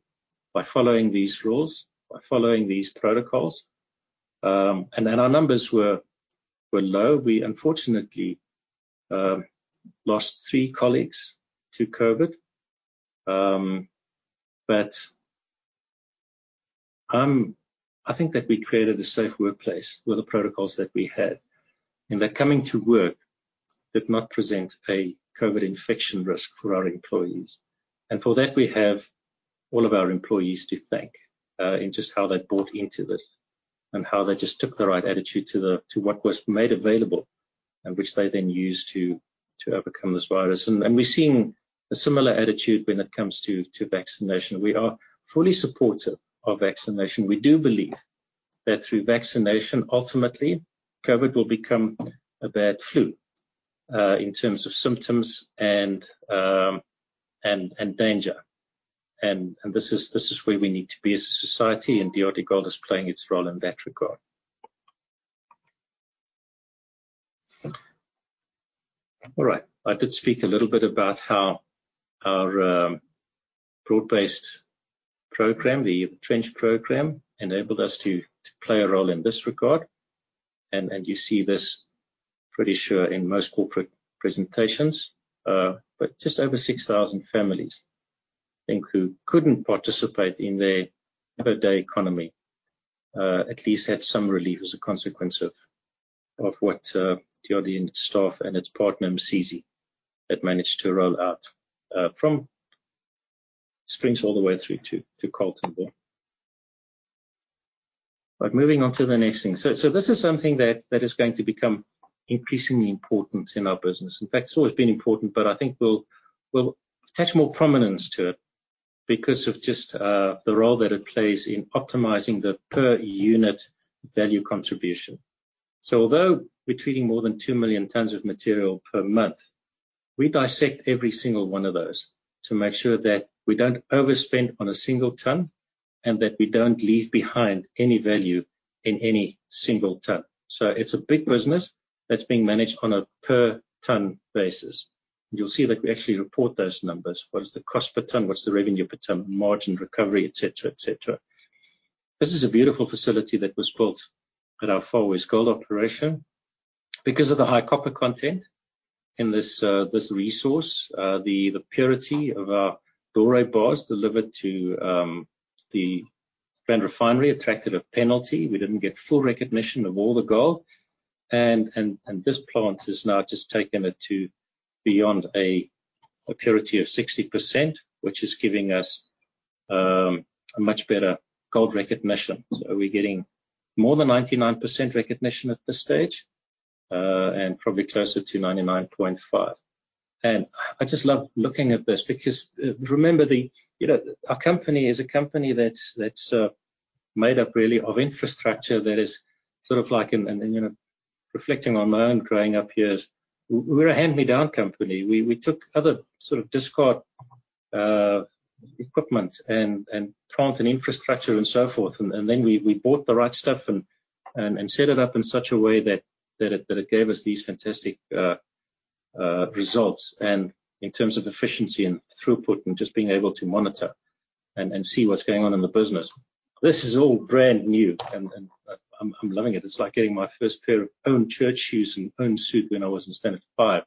by following these rules, by following these protocols. Our numbers were low. We unfortunately lost three colleagues to COVID. I think that we created a safe workplace with the protocols that we had, in that coming to work did not present a COVID infection risk for our employees. For that, we have all of our employees to thank, in just how they bought into this and how they just took the right attitude to what was made available and which they then used to overcome this virus. We're seeing a similar attitude when it comes to vaccination. We are fully supportive of vaccination. We do believe that through vaccination, ultimately COVID will become a bad flu, in terms of symptoms and danger. This is where we need to be as a society, DRDGOLD is playing its role in that regard. All right. I did speak a little bit about how our broad-based program, the trench program, enabled us to play a role in this regard. You see this pretty sure in most corporate presentations. Just over 6,000 families who couldn't participate in their everyday economy, at least had some relief as a consequence of what DRD and its staff and its partner, Umsizi, had managed to roll out from Springs all the way through to Carletonville. Moving on to the next thing. This is something that is going to become increasingly important in our business. In fact, it's always been important, but I think we'll attach more prominence to it because of just the role that it plays in optimizing the per unit value contribution. Although we're treating more than 2 million tons of material per month, we dissect every single one of those to make sure that we don't overspend on a single ton and that we don't leave behind any value in any single ton. It's a big business that's being managed on a per ton basis. You'll see that we actually report those numbers. What is the cost per ton? What's the revenue per ton? Margin recovery, et cetera. This is a beautiful facility that was built at our Far West Gold Recoveries operation. Because of the high copper content in this resource, the purity of our Doré bars delivered to the Rand Refinery attracted a penalty. We didn't get full recognition of all the gold. This plant has now just taken it to beyond a purity of 60%, which is giving us a much better gold recognition. We're getting more than 99% recognition at this stage, and probably closer to 99.5. I just love looking at this because remember, our company is a company that's made up really of infrastructure that is sort of like. Reflecting on my own growing up years, we're a hand-me-down company. We took other sort of discard equipment and plant and infrastructure and so forth, and then we bought the right stuff and set it up in such a way that it gave us these fantastic results, and in terms of efficiency and throughput and just being able to monitor and see what's going on in the business. This is all brand new and I'm loving it. It's like getting my first pair of own church shoes and own suit when I was in standard 5.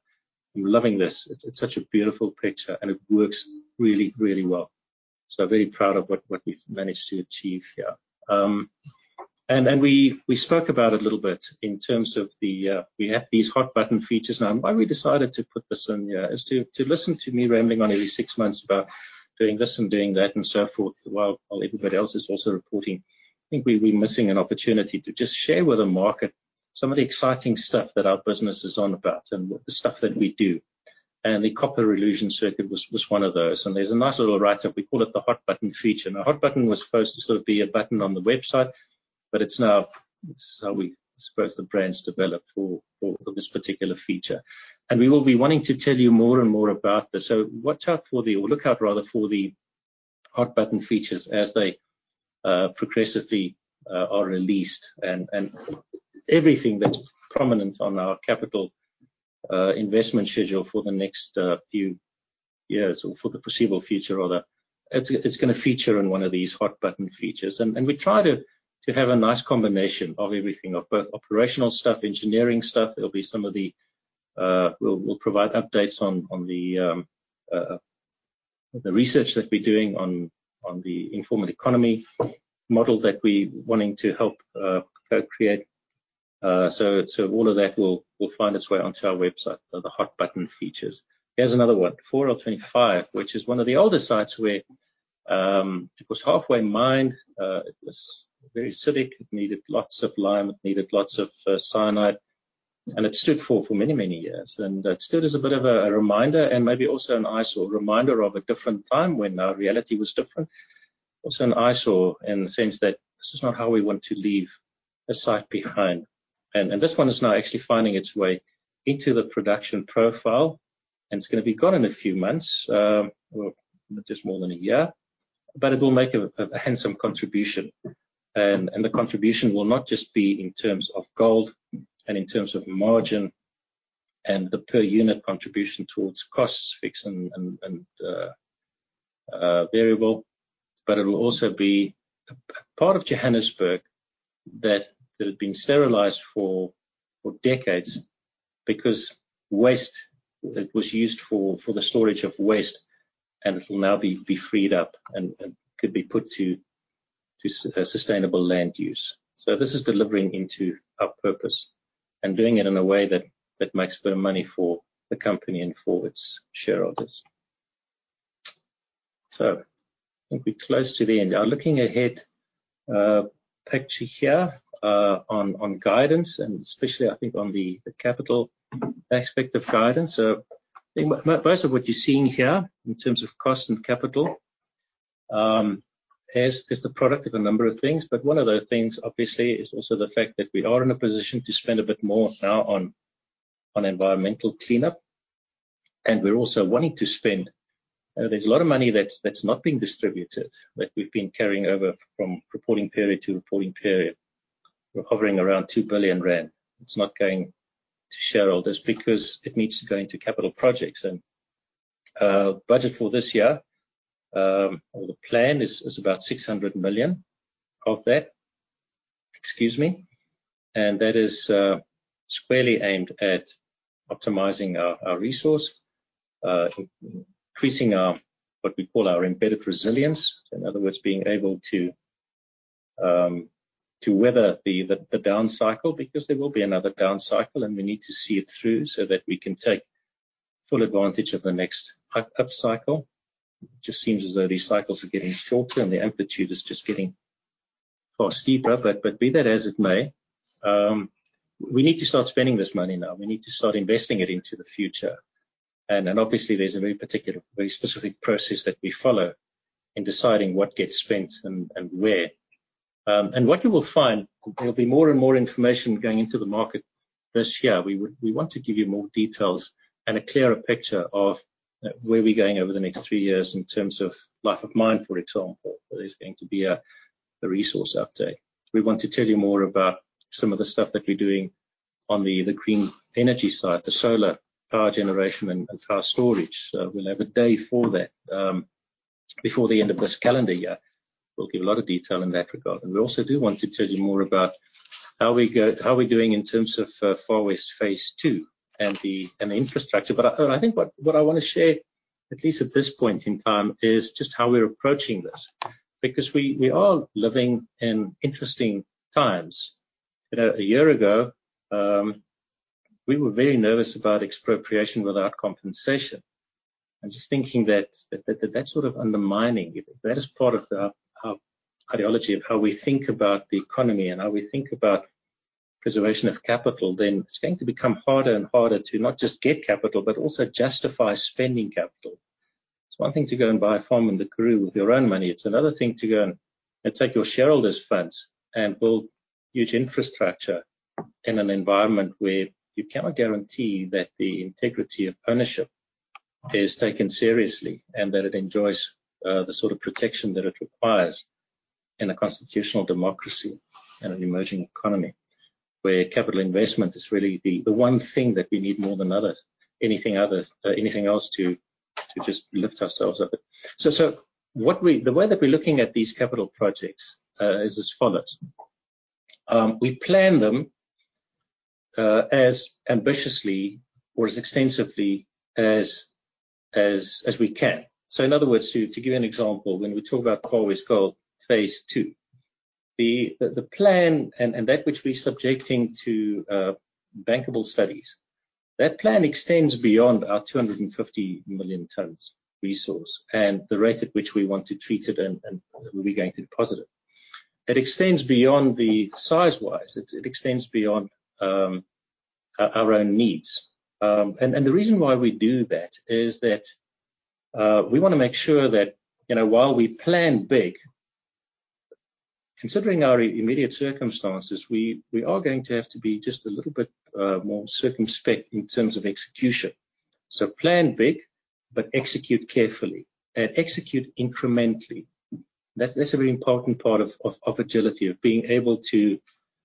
I'm loving this. It's such a beautiful picture, and it works really well. Very proud of what we've managed to achieve here. We spoke about it a little bit in terms of the, we have these hot button features now. Why we decided to put this in here is to listen to me rambling on every six months about doing this and doing that and so forth while everybody else is also reporting. I think we're missing an opportunity to just share with the market some of the exciting stuff that our business is on about and the stuff that we do. The copper elution circuit was one of those. There's a nice little write-up. We call it the hot button feature. Hot button was supposed to sort of be a button on the website, but it's now, I suppose, the brands developed for this particular feature. We will be wanting to tell you more and more about this. Watch out for the, or look out rather for the hot button features as they progressively are released. Everything that's prominent on our capital investment schedule for the next few years or for the foreseeable future, or that it's going to feature in one of these hot button features. We try to have a nice combination of everything, of both operational stuff, engineering stuff. We'll provide updates on the research that we're doing on the informal economy model that we're wanting to help co-create. All of that will find its way onto our website, the hot button features. Here's another one, 4L25, which is one of the older sites where it was halfway mined. It was very acidic, it needed lots of lime, it needed lots of cyanide. It stood for many years. It stood as a bit of a reminder and maybe also an eyesore. Reminder of a different time when our reality was different. Also an eyesore in the sense that this is not how we want to leave a site behind. This one is now actually finding its way into the production profile. It's going to be gone in a few months, well, just more than a year, but it will make a handsome contribution. The contribution will not just be in terms of gold and in terms of margin and the per unit contribution towards costs, fixed and variable, but it'll also be a part of Johannesburg that had been sterilized for decades because it was used for the storage of waste, and it'll now be freed up and could be put to sustainable land use. This is delivering into our purpose and doing it in a way that makes a bit of money for the company and for its shareholders. I think we're close to the end. Now looking ahead, picture here, on guidance and especially I think on the capital aspect of guidance. I think most of what you're seeing here in terms of cost and capital is the product of a number of things. One of those things obviously is also the fact that we are in a position to spend a bit more now on environmental cleanup. We're also wanting to spend. There's a lot of money that's not being distributed, that we've been carrying over from reporting period to reporting period. We're hovering around 2 billion rand. It's not going to shareholders because it needs to go into capital projects. Budget for this year, or the plan is about 600 million of that. Excuse me. That is squarely aimed at optimizing our resource, increasing our, what we call our embedded resilience. In other words, being able to weather the down cycle because there will be another down cycle and we need to see it through so that we can take full advantage of the next up cycle. Just seems as though these cycles are getting shorter and the amplitude is just getting far steeper. Be that as it may, we need to start spending this money now. We need to start investing it into the future. Obviously, there's a very specific process that we follow in deciding what gets spent and where. What you will find, there'll be more and more information going into the market this year. We want to give you more details and a clearer picture of where we're going over the next three years in terms of life of mine, for example. There's going to be a resource update. We want to tell you more about some of the stuff that we're doing on the green energy side, the solar power generation, and power storage. We'll have a day for that before the end of this calendar year. We'll give a lot of detail in that regard. We also do want to tell you more about how we're doing in terms of Far West Phase 2 and the infrastructure. I think what I want to share, at least at this point in time, is just how we're approaching this. We are living in interesting times. A year ago, we were very nervous about expropriation without compensation. Just thinking that that's sort of undermining. If that is part of our ideology of how we think about the economy and how we think about preservation of capital, then it's going to become harder and harder to not just get capital, but also justify spending capital. It's one thing to go and buy a farm in the Karoo with your own money. It's another thing to go and take your shareholders' funds and build huge infrastructure in an environment where you cannot guarantee that the integrity of ownership is taken seriously, and that it enjoys the sort of protection that it requires in a constitutional democracy, in an emerging economy, where capital investment is really the one thing that we need more than anything else to just lift ourselves up. The way that we're looking at these capital projects is as follows. We plan them as ambitiously or as extensively as we can. In other words, to give you an example, when we talk about Far West Gold phase 2, the plan and that which we're subjecting to bankable studies, that plan extends beyond our 250 million tons resource and the rate at which we want to treat it and we're going to deposit it. It extends beyond the size-wise. It extends beyond our own needs. The reason why we do that is that we want to make sure that while we plan big, considering our immediate circumstances, we are going to have to be just a little bit more circumspect in terms of execution. Plan big, but execute carefully and execute incrementally. That's a very important part of agility, of being able to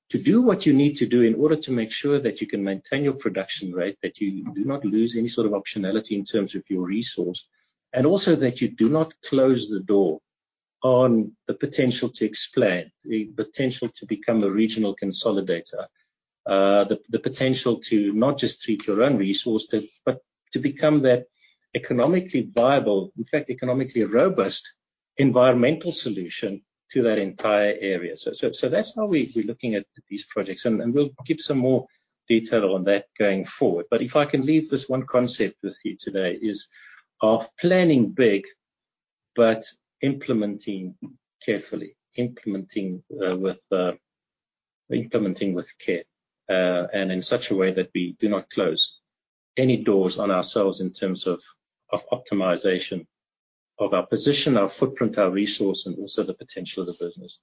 do what you need to do in order to make sure that you can maintain your production rate, that you do not lose any sort of optionality in terms of your resource, and also that you do not close the door on the potential to expand, the potential to become a regional consolidator, the potential to not just treat your own resource, but to become that economically viable, in fact, economically robust environmental solution to that entire area. That's how we're looking at these projects, and we'll give some more detail on that going forward. If I can leave this 1 concept with you today is of planning big, but implementing carefully. Implementing with care, in such a way that we do not close any doors on ourselves in terms of optimization of our position, our footprint, our resource, and also the potential of the business.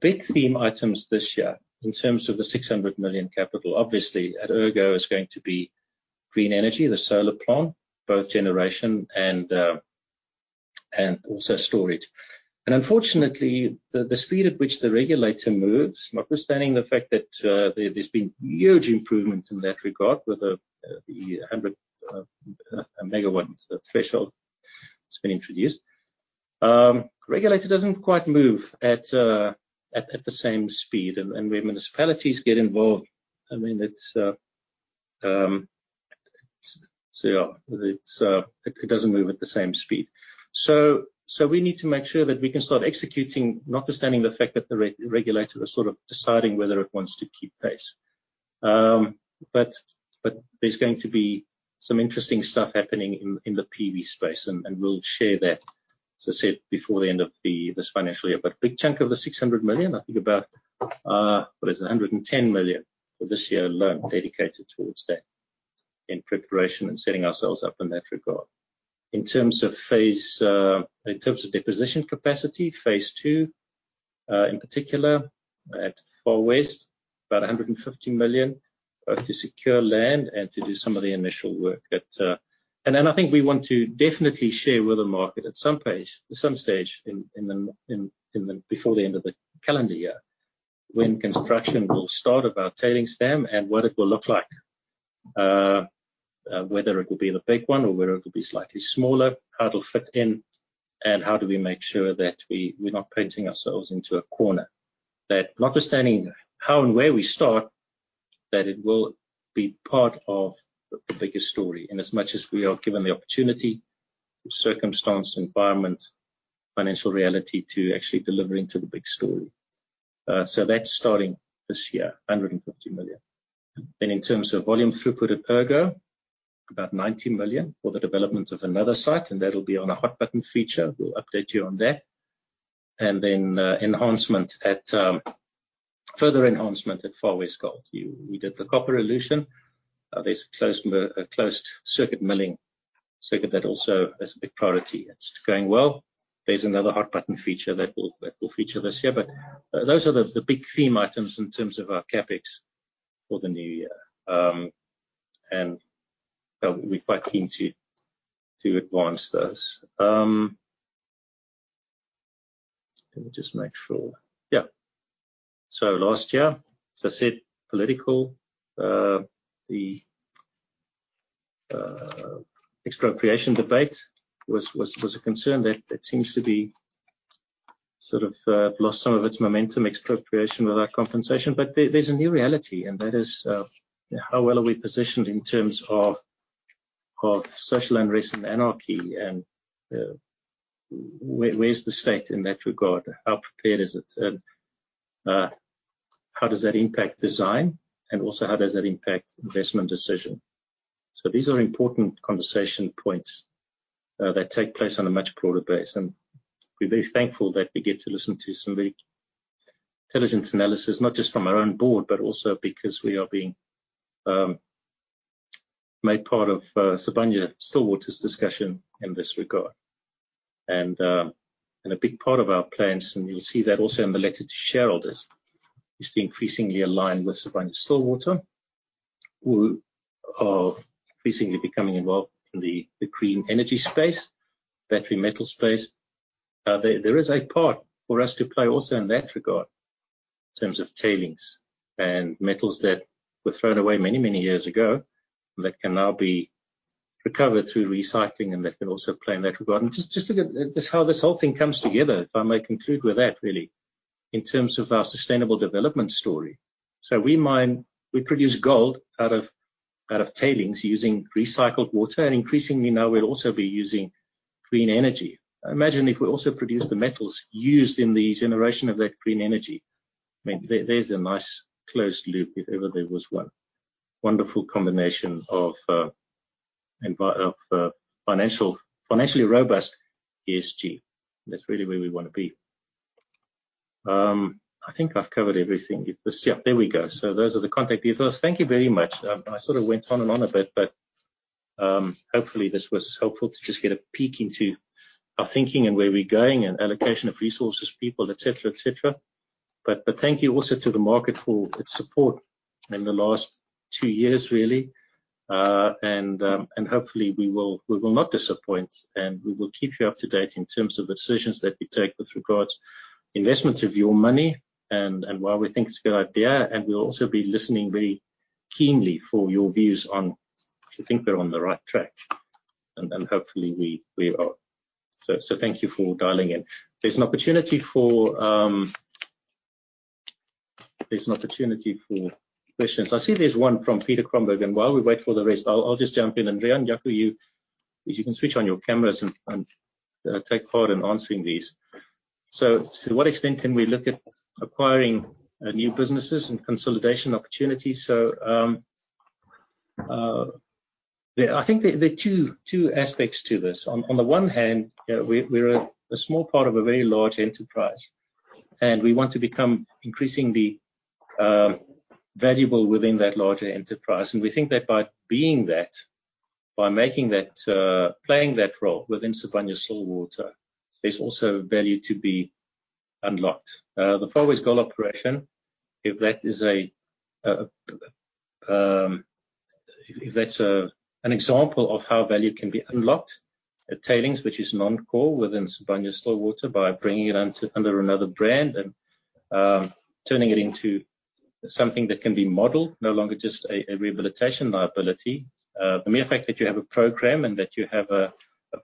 Big theme items this year in terms of the 600 million capital, obviously, at Ergo is going to be green energy, the solar plant, both generation and also storage. Unfortunately, the speed at which the regulator moves, notwithstanding the fact that there's been huge improvements in that regard with the 100 MW threshold that's been introduced. Regulator doesn't quite move at the same speed. Where municipalities get involved, it doesn't move at the same speed. We need to make sure that we can start executing notwithstanding the fact that the regulator is sort of deciding whether it wants to keep pace. There's going to be some interesting stuff happening in the PV space, and we'll share that, as I said, before the end of this financial year. A big chunk of the 600 million, I think about, what is it? 110 million for this year alone dedicated towards that in preparation and setting ourselves up in that regard. In terms of deposition capacity, phase 2, in particular at Far West, about 150 million to secure land and to do some of the initial work. Then I think we want to definitely share with the market at some stage before the end of the calendar year when construction will start of our tailings dam and what it will look like. Whether it will be the big one or whether it will be slightly smaller, how it'll fit in, and how do we make sure that we're not painting ourselves into a corner. That notwithstanding how and where we start, that it will be part of the bigger story. As much as we are given the opportunity, circumstance, environment, financial reality to actually delivering to the big story. That's starting this year, 150 million. in terms of volume throughput at Ergo, about 90 million for the development of another site, and that'll be on a hot button feature. We'll update you on that. further enhancement at Far West Gold. We did the copper elution. There's a closed circuit milling circuit that also is a big priority. It's going well. There's another hot button feature that will feature this year. Those are the big theme items in terms of our CapEx for the new year. We're quite keen to advance those. Let me just make sure. Yeah. Last year, as I said, political, the expropriation debate was a concern. That seems to be sort of lost some of its momentum, expropriation without compensation. There's a new reality, and that is, how well are we positioned in terms of social unrest and anarchy and where is the state in that regard? How prepared is it, and how does that impact design, and also how does that impact investment decision? These are important conversation points that take place on a much broader base. We're very thankful that we get to listen to some very intelligent analysis, not just from our own board, but also because we are being made part of Sibanye-Stillwater's discussion in this regard. A big part of our plans, and you'll see that also in the letter to shareholders, is to increasingly align with Sibanye-Stillwater, who are increasingly becoming involved in the green energy space, battery metal space. There is a part for us to play also in that regard in terms of tailings and metals that were thrown away many years ago that can now be recovered through recycling and that can also play in that regard. Just look at this, how this whole thing comes together, if I may conclude with that really, in terms of our sustainable development story. We mine, we produce gold out of tailings using recycled water, and increasingly now we'll also be using green energy. Imagine if we also produce the metals used in the generation of that green energy. I mean, there's a nice closed loop if ever there was one. Wonderful combination of financially robust ESG. That's really where we want to be. I think I've covered everything. Yep, there we go. Those are the contact details. Thank you very much. I sort of went on and on a bit, but hopefully this was helpful to just get a peek into our thinking and where we're going and allocation of resources, people, et cetera. Thank you also to the market for its support in the last 2 years, really. Hopefully we will not disappoint, and we will keep you up to date in terms of the decisions that we take with regards investment of your money and why we think it's a good idea, and we'll also be listening very keenly for your views on if you think we're on the right track. Hopefully we are. Thank you for dialing in. There's an opportunity for questions. I see there's one from Peter Kromberg, and while we wait for the rest, I'll just jump in. Riaan and Jaco, if you can switch on your cameras and take part in answering these. To what extent can we look at acquiring new businesses and consolidation opportunities? I think there are two aspects to this. On the one hand, we're a small part of a very large enterprise, and we want to become increasingly valuable within that larger enterprise. We think that by being that, by playing that role within Sibanye-Stillwater, there's also value to be unlocked. The Far West Gold operation, if that's an example of how value can be unlocked at tailings, which is non-core within Sibanye-Stillwater by bringing it under another brand and turning it into something that can be modeled, no longer just a rehabilitation liability. The mere fact that you have a program and that you have a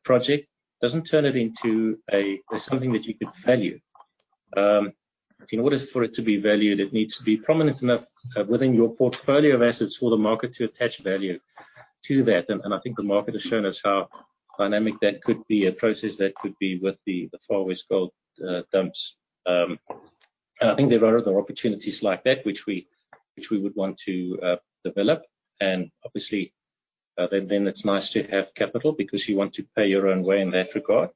project doesn't turn it into something that you could value. In order for it to be valued, it needs to be prominent enough within your portfolio of assets for the market to attach value to that. I think the market has shown us how dynamic that could be, a process that could be with the Far West Gold dumps. I think there are other opportunities like that which we would want to develop. Obviously, then it's nice to have capital because you want to pay your own way in that regard.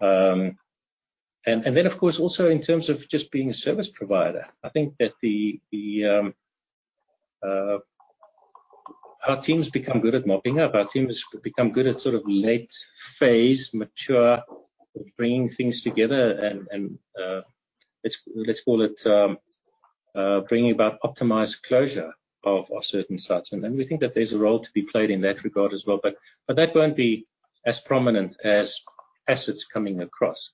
Then, of course, also in terms of just being a service provider, I think that our team's become good at mopping up. Our team has become good at sort of late-phase mature, bringing things together and, let's call it, bringing about optimized closure of certain sites. We think that there's a role to be played in that regard as well. That won't be as prominent as assets coming across.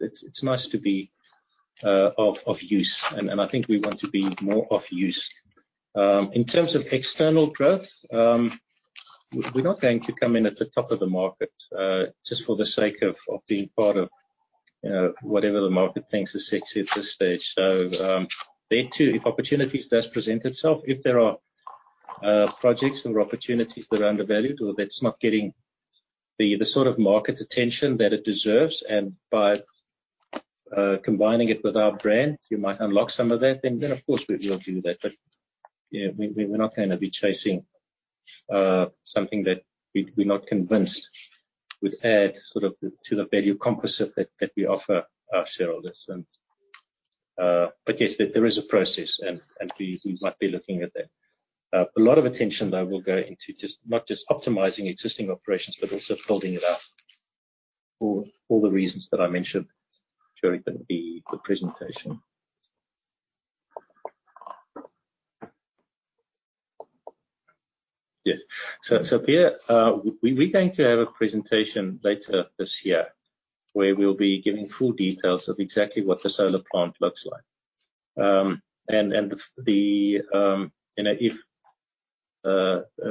It's nice to be of use, and I think we want to be more of use. In terms of external growth, we're not going to come in at the top of the market, just for the sake of being part of whatever the market thinks is sexy at this stage. There too, if opportunities does present itself, if there are projects or opportunities that are undervalued or that's not getting the sort of market attention that it deserves. By combining it with our brand, you might unlock some of that, then of course, we'll do that. We're not going to be chasing something that we're not convinced would add to the value composite that we offer our shareholders. Yes, there is a process, and we might be looking at that. A lot of attention, though, will go into not just optimizing existing operations, but also building it up for all the reasons that I mentioned during the presentation. Yes. Pierre, we're going to have a presentation later this year where we'll be giving full details of exactly what the solar plant looks like.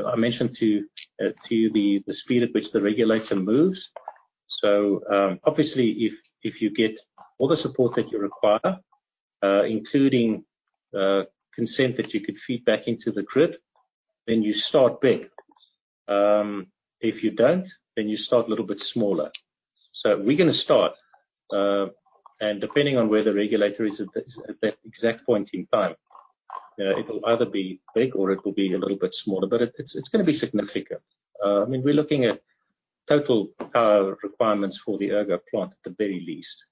I mentioned to you the speed at which the regulator moves. Obviously, if you get all the support that you require, including consent that you could feed back into the grid, then you start big. If you don't, then you start a little bit smaller. We're going to start, and depending on where the regulator is at that exact point in time, it'll either be big or it will be a little bit smaller, but it's going to be significant. We're looking at total power requirements for the Ergo plant, at the very least.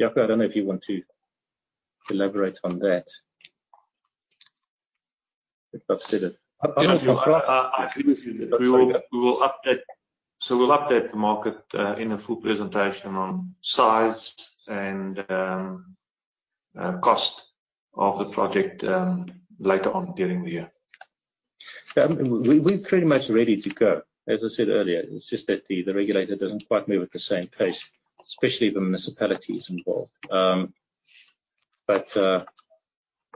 Jaco, I don't know if you want to elaborate on that. I think I've said it. I agree with you. We will update the market in a full presentation on size and cost of the project later on during the year. We're pretty much ready to go, as I said earlier. It's just that the regulator doesn't quite move at the same pace, especially the municipalities involved.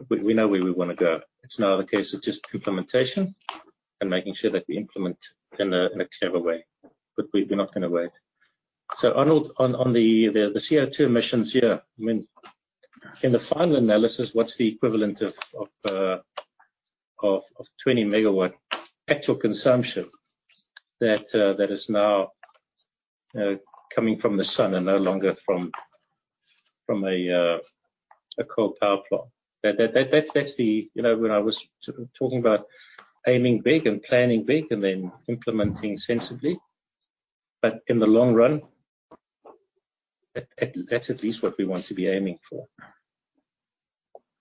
We know where we want to go. It's now the case of just implementation and making sure that we implement in a clever way. We're not going to wait. Arnold, on the CO2 emissions, in the final analysis, what's the equivalent of 20 MW actual consumption that is now coming from the sun and no longer from a coal power plant? When I was talking about aiming big and planning big and then implementing sensibly. In the long run, that's at least what we want to be aiming for.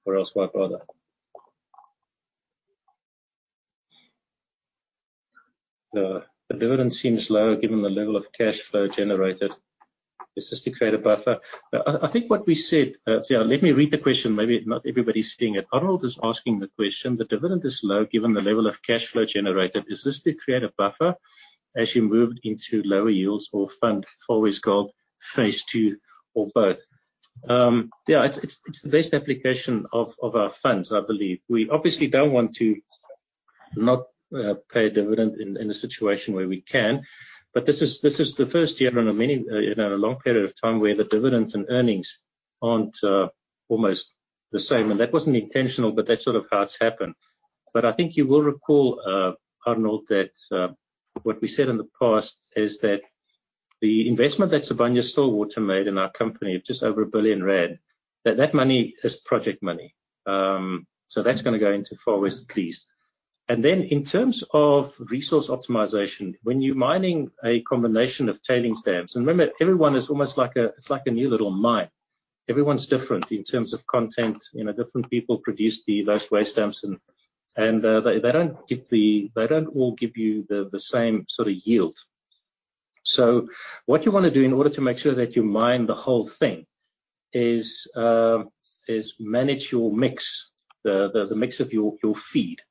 Or else why bother? "The dividend seems low given the level of cash flow generated. Is this to create a buffer?" I think. Let me read the question. Maybe not everybody's seeing it. Arnold is asking the question, "The dividend is low given the level of cash flow generated. Is this to create a buffer as you moved into lower yields or fund Far West Gold phase II or both?" Yeah, it's the best application of our funds, I believe. We obviously don't want to not pay a dividend in a situation where we can, but this is the first year in a long period of time where the dividends and earnings aren't almost the same. That wasn't intentional, but that's sort of how it's happened. I think you will recall, Arnold, that what we said in the past is that the investment that Sibanye-Stillwater made in our company of just over 1 billion rand, that that money is project money. That's going to go into Far West, please. In terms of resource optimization, when you're mining a combination of tailings dams, and remember, every one it's like a new little mine. Every one's different in terms of content. Different people produce those waste dams, and they don't all give you the same sort of yield. What you want to do in order to make sure that you mine the whole thing is manage your mix, the mix of your feed.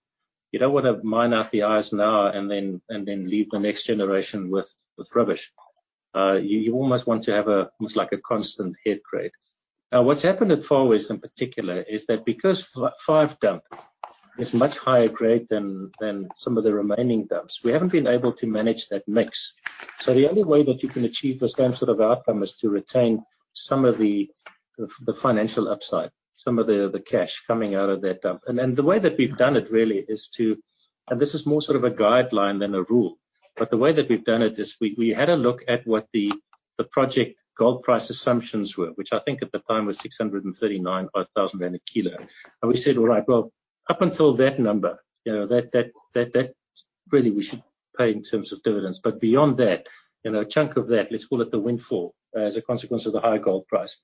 You don't want to mine out the eyes now and then leave the next generation with rubbish. You almost want to have almost like a constant head grade. What's happened at Far West in particular is that because Driefontein 5 is much higher grade than some of the remaining dumps, we haven't been able to manage that mix. The only way that you can achieve the same sort of outcome is to retain some of the financial upside, some of the cash coming out of that dump. This is more sort of a guideline than a rule. The way that we've done it is we had a look at what the project gold price assumptions were, which I think at the time was 639,500 rand a kilo. We said, "All right. Well, up until that number, that really we should pay in terms of dividends." Beyond that, a chunk of that, let's call it the windfall as a consequence of the high gold price.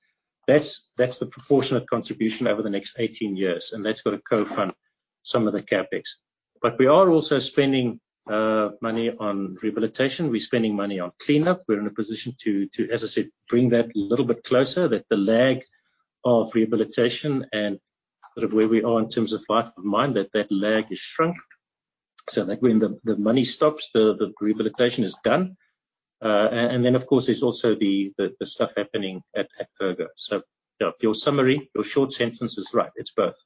That's the proportionate contribution over the next 18 years, and that's got to co-fund some of the CapEx. We are also spending money on rehabilitation. We're spending money on cleanup. We're in a position to, as I said, bring that a little bit closer, that the lag of rehabilitation and sort of where we are in terms of life of mine, that that lag is shrunk. That when the money stops, the rehabilitation is done. Of course, there's also the stuff happening at Ergo. Your summary, your short sentence is right, it's both.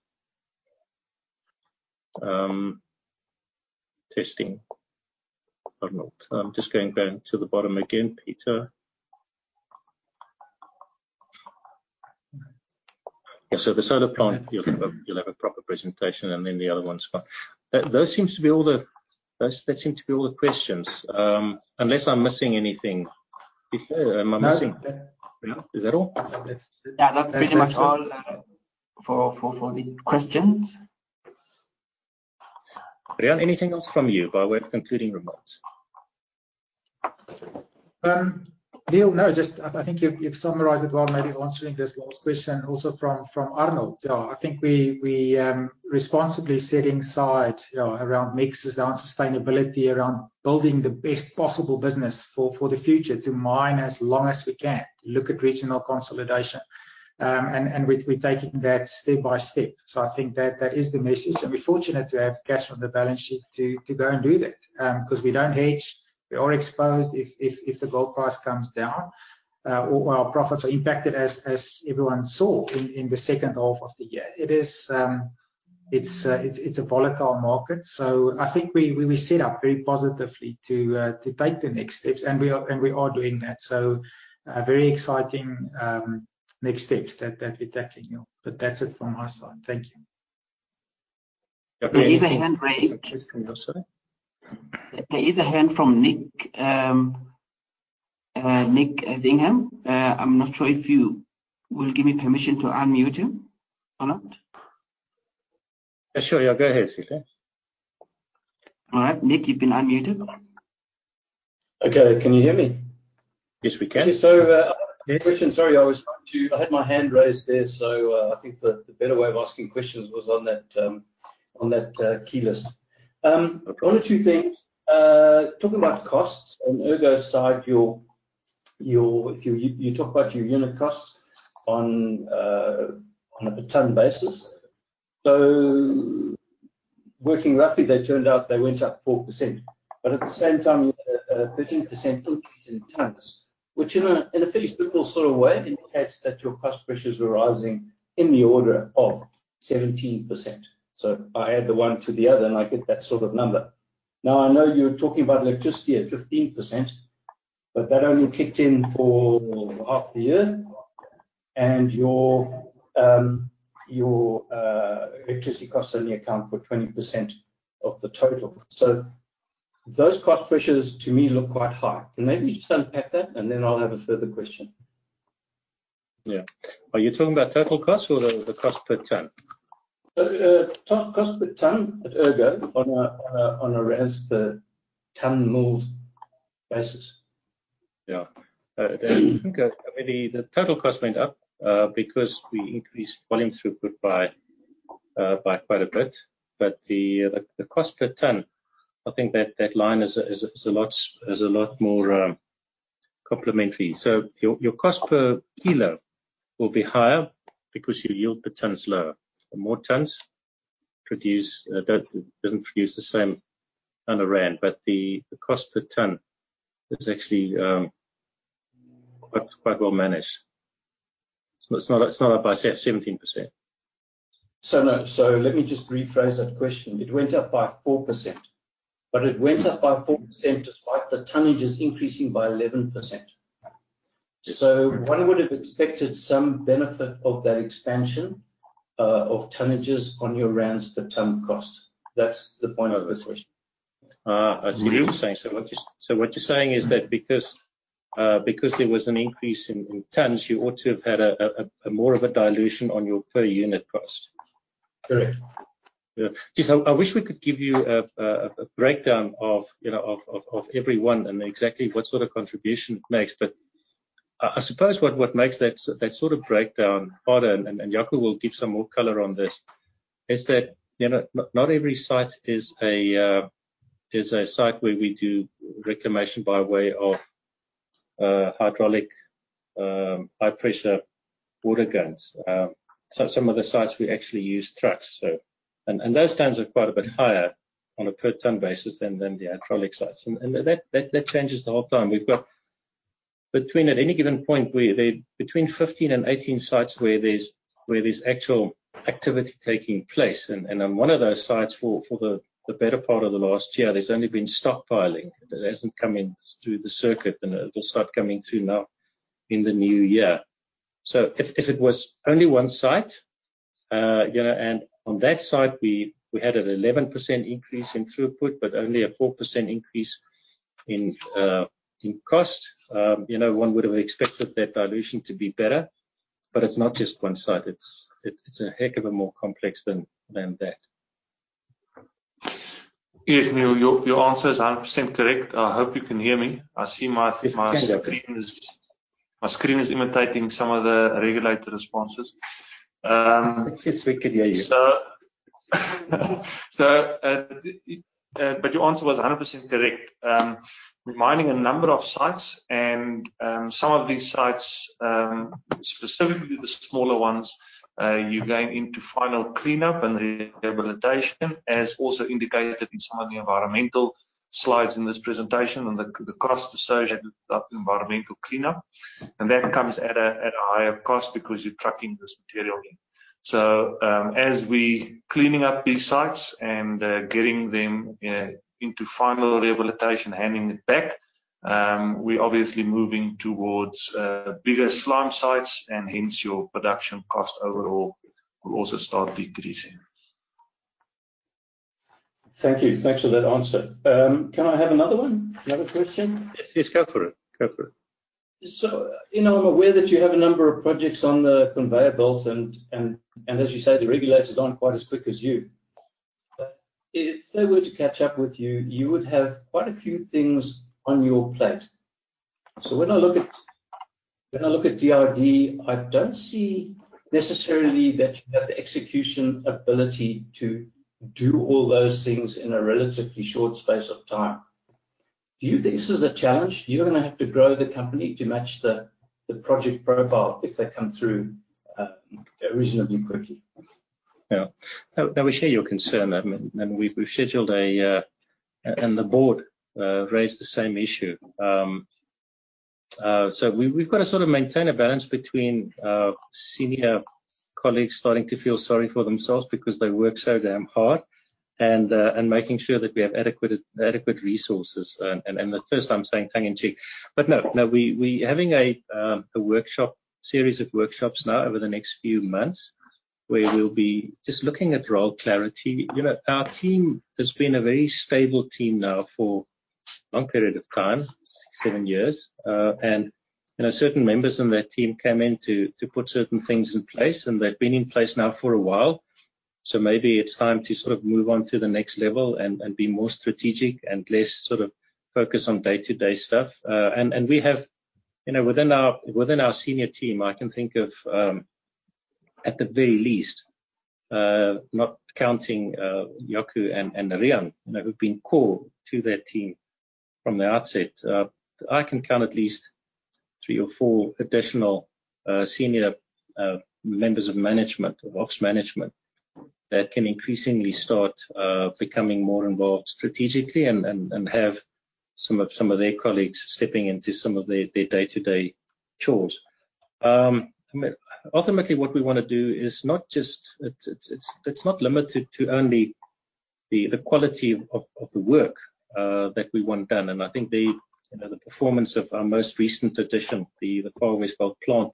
Testing. Arnold. I'm just going down to the bottom again, Peter. Yeah. The solar plant, you'll have a proper presentation, and then the other ones. Those seem to be all the questions, unless I'm missing anything. Am I missing anything? No. No? Is that all? That's it. Yeah, that's pretty much all for the questions. Riaan, anything else from you, by way of concluding remarks? Niël, no, just I think you've summarized it well, maybe answering this last question also from Arnold. I think we responsibly setting aside around mix, around sustainability, around building the best possible business for the future to mine as long as we can. Look at regional consolidation. We're taking that step by step. I think that is the message, and we're fortunate to have cash on the balance sheet to go and do that. Because we don't hedge, we are exposed if the gold price comes down, our profits are impacted as everyone saw in the second half of the year. It's a volatile market. I think we're set up very positively to take the next steps, and we are doing that. Very exciting next steps that we're taking. That's it from my side. Thank you. Okay. There is a hand raised. Sorry. There is a hand from Nick Ingham. I'm not sure if you will give me permission to unmute him or not. Sure, yeah. Go ahead, Peter. All right. Nick, you've been unmuted. Okay. Can you hear me? Yes, we can. A question. Sorry. I had my hand raised there, so I think the better way of asking questions was on that key list. Okay. One or two things. Talking about costs, on Ergo's side, you talk about your unit costs on a per ton basis. Working roughly, they turned out they went up 4%. At the same time, you had a 13% increase in tons, which in a fairly simple sort of way, indicates that your cost pressures were rising in the order of 17%. I add the 1 to the other, and I get that sort of number. Now, I know you're talking about electricity at 15%, but that only kicked in for half the year. Your electricity costs only account for 20% of the total. Those cost pressures to me look quite high. Can maybe you just unpack that, and then I'll have a further question. Yeah. Are you talking about total cost or the cost per ton? Total cost per ton at Ergo on a rand per ton moved basis. Yeah. I think the total cost went up because we increased volume throughput by quite a bit, but the cost per ton, I think that line is a lot more complementary. Your cost per kilo will be higher because your yield per ton is lower, and more tons doesn't produce the same ton of ZAR, but the cost per ton is actually quite well managed. It's not up by, say, 17%. No. Let me just rephrase that question. It went up by 4%, but it went up by 4% despite the tonnages increasing by 11%. One would have expected some benefit of that expansion of tonnages on your rand per ton cost. That's the point of this question. I see what you're saying. What you're saying is that because there was an increase in tons, you ought to have had a more of a dilution on your per unit cost. Correct. Geez, I wish we could give you a breakdown of every one and exactly what sort of contribution it makes. I suppose what makes that sort of breakdown harder, and Jaco will give some more color on this, is that not every site is a site where we do reclamation by way of hydraulic, high-pressure water guns. Some of the sites we actually use trucks. Those tons are quite a bit higher on a per ton basis than the hydraulic sites. That changes the whole time. We've got between at any given point, between 15 and 18 sites where there's actual activity taking place. On one of those sites, for the better part of the last year, there's only been stockpiling. It hasn't come in through the circuit, and it'll start coming through now in the new year. If it was only one site, and on that site, we had an 11% increase in throughput, but only a 4% increase in cost. One would have expected that dilution to be better. It's not just one site, it's a heck of a more complex than that. Yes, Niël, your answer is 100% correct. I hope you can hear me. We can hear you. My screen is imitating some of the regulator responses. Yes, we can hear you. Your answer was 100% correct. We're mining a number of sites, and some of these sites, specifically the smaller ones, you going into final cleanup and rehabilitation, as also indicated in some of the environmental slides in this presentation, on the cost associated with environmental cleanup. That comes at a higher cost because you're trucking this material in. As we cleaning up these sites and getting them into final rehabilitation, handing it back. We're obviously moving towards bigger slime sites, and hence your production cost overall will also start decreasing. Thank you. Thanks for that answer. Can I have another one? Another question? Yes. Go for it. I'm aware that you have a number of projects on the conveyor belt, and as you say, the regulators aren't quite as quick as you. If they were to catch up with you would have quite a few things on your plate. When I look at DRDGOLD, I don't see necessarily that you have the execution ability to do all those things in a relatively short space of time. Do you think this is a challenge? You're going to have to grow the company to match the project profile if they come through reasonably quickly. No, we share your concern. We've scheduled. The board raised the same issue. We've got to sort of maintain a balance between senior colleagues starting to feel sorry for themselves because they work so damn hard, and making sure that we have adequate resources. At first, I'm saying tongue in cheek. No, we're having a series of workshops now over the next few months, where we'll be just looking at role clarity. Our team has been a very stable team now for a long period of time, six, seven years. Certain members on that team came in to put certain things in place, and they've been in place now for a while. Maybe it's time to sort of move on to the next level and be more strategic and less sort of focus on day-to-day stuff. We have within our senior team, I can think of, at the very least, not counting Jaco and Riaan who've been core to that team from the outset. I can count at least three or four additional senior members of management, of ops management, that can increasingly start becoming more involved strategically and have some of their colleagues stepping into some of their day-to-day chores. Ultimately, what we wanna do it's not limited to only the quality of the work that we want done. I think the performance of our most recent addition, the Far West Gold Recoveries plant,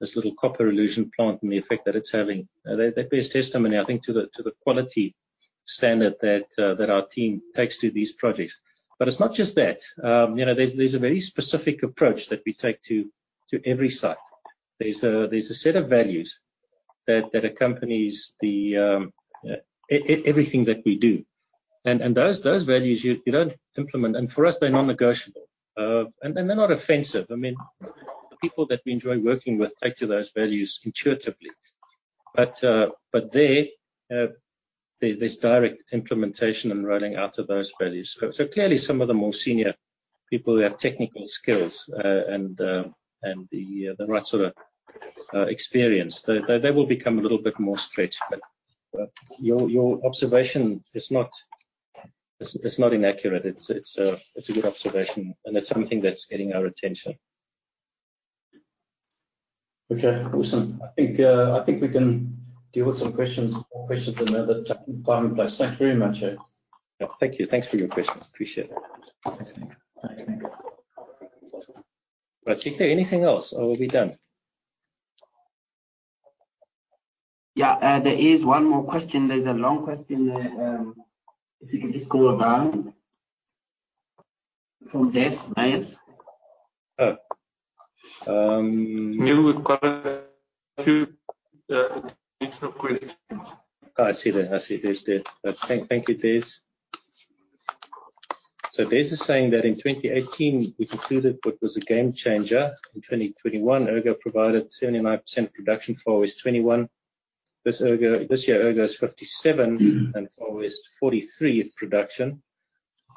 this little copper elution plant and the effect that it's having, that bears testimony, I think, to the quality standard that our team takes to these projects. It's not just that. There's a very specific approach that we take to every site. There's a set of values that accompanies everything that we do. Those values you don't implement. For us, they're non-negotiable. They're not offensive. I mean, the people that we enjoy working with take to those values intuitively. There's direct implementation and rolling out of those values. Clearly, some of the more senior people who have technical skills and the right sort of experience, they will become a little bit more stretched. Your observation it's not inaccurate. It's a good observation, and it's something that's getting our attention. Okay. Awesome. I think we can deal with some questions, more questions another time and place. Thanks very much, Niël. Yeah. Thank you. Thanks for your questions. Appreciate that. Peter, anything else, or are we done? Yeah, there is one more question. There is a long question. If you could just scroll down. From Des Myers. Oh. Niël, we've got two additional questions. I see that. I see. Des did. Thank you, Des. Des is saying that in 2018, we concluded what was a game changer. In 2021, Ergo provided 79% production, Far West 21%. This year, Ergo is 57% and Far West 43% of production.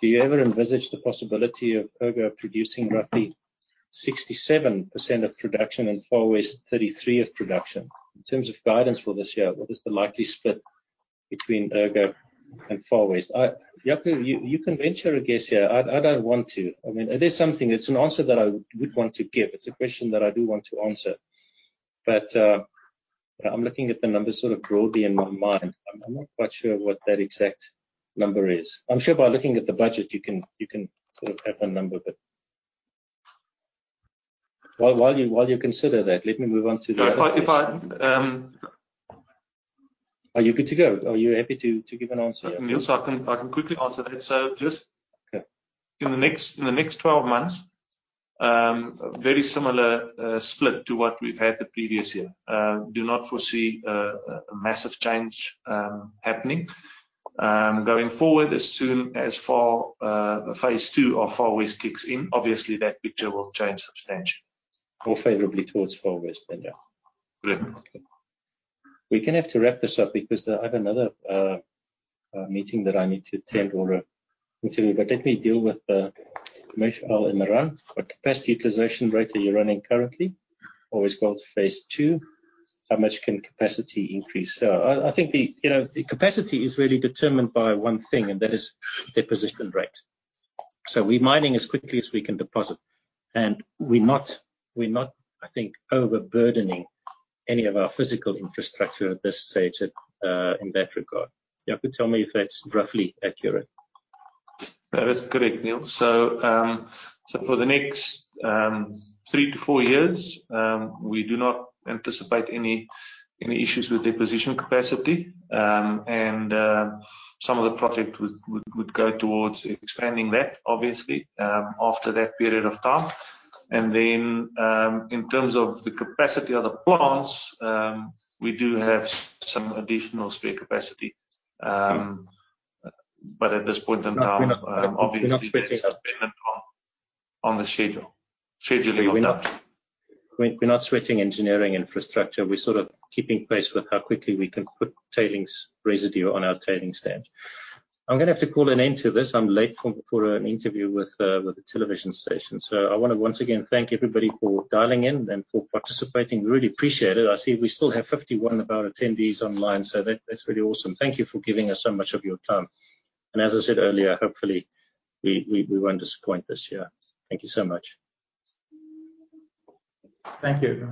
Do you ever envisage the possibility of Ergo producing roughly 67% of production and Far West 33% of production? In terms of guidance for this year, what is the likely split between Ergo and Far West? Jaco, you can venture a guess here. I don't want to. It's an answer that I would want to give. It's a question that I do want to answer. I'm looking at the numbers sort of broadly in my mind. I'm not quite sure what that exact number is. I'm sure by looking at the budget, you can sort of have a number that. While you consider that, let me move on to the next question. If I- Are you good to go? Are you happy to give an answer? Yeah. Niël, I can quickly answer that. Okay. In the next 12 months, very similar split to what we've had the previous year. Do not foresee a massive change happening. Going forward as soon as phase 2 of Far West kicks in, obviously that picture will change substantially. More favorably towards Far West then, yeah. Correct. We're going to have to wrap this up because I have another meeting that I need to attend or continue. Let me deal with Imran Khan. "What capacity utilization rate are you running currently? Far West Gold Recoveries phase 2, how much can capacity increase?" I think the capacity is really determined by 1 thing, and that is deposition rate. We're mining as quickly as we can deposit. We're not, I think, overburdening any of our physical infrastructure at this stage in that regard. Jaco Schoeman, tell me if that's roughly accurate. That is correct, Niël. For the next three to four years, we do not anticipate any issues with deposition capacity. Some of the project would go towards expanding that, obviously, after that period of time. In terms of the capacity of the plants, we do have some additional spare capacity. Good. But at this point in time- No, we're not sweating. Obviously, we're dependent on the scheduling of that. We're not sweating engineering infrastructure. We're sort of keeping pace with how quickly we can put tailings residue on our tailings dam. I'm going to have to call an end to this. I'm late for an interview with the television station. I want to once again thank everybody for dialing in and for participating. Really appreciate it. I see we still have 51 of our attendees online, that's really awesome. Thank you for giving us so much of your time. As I said earlier, hopefully, we won't disappoint this year. Thank you so much. Thank you.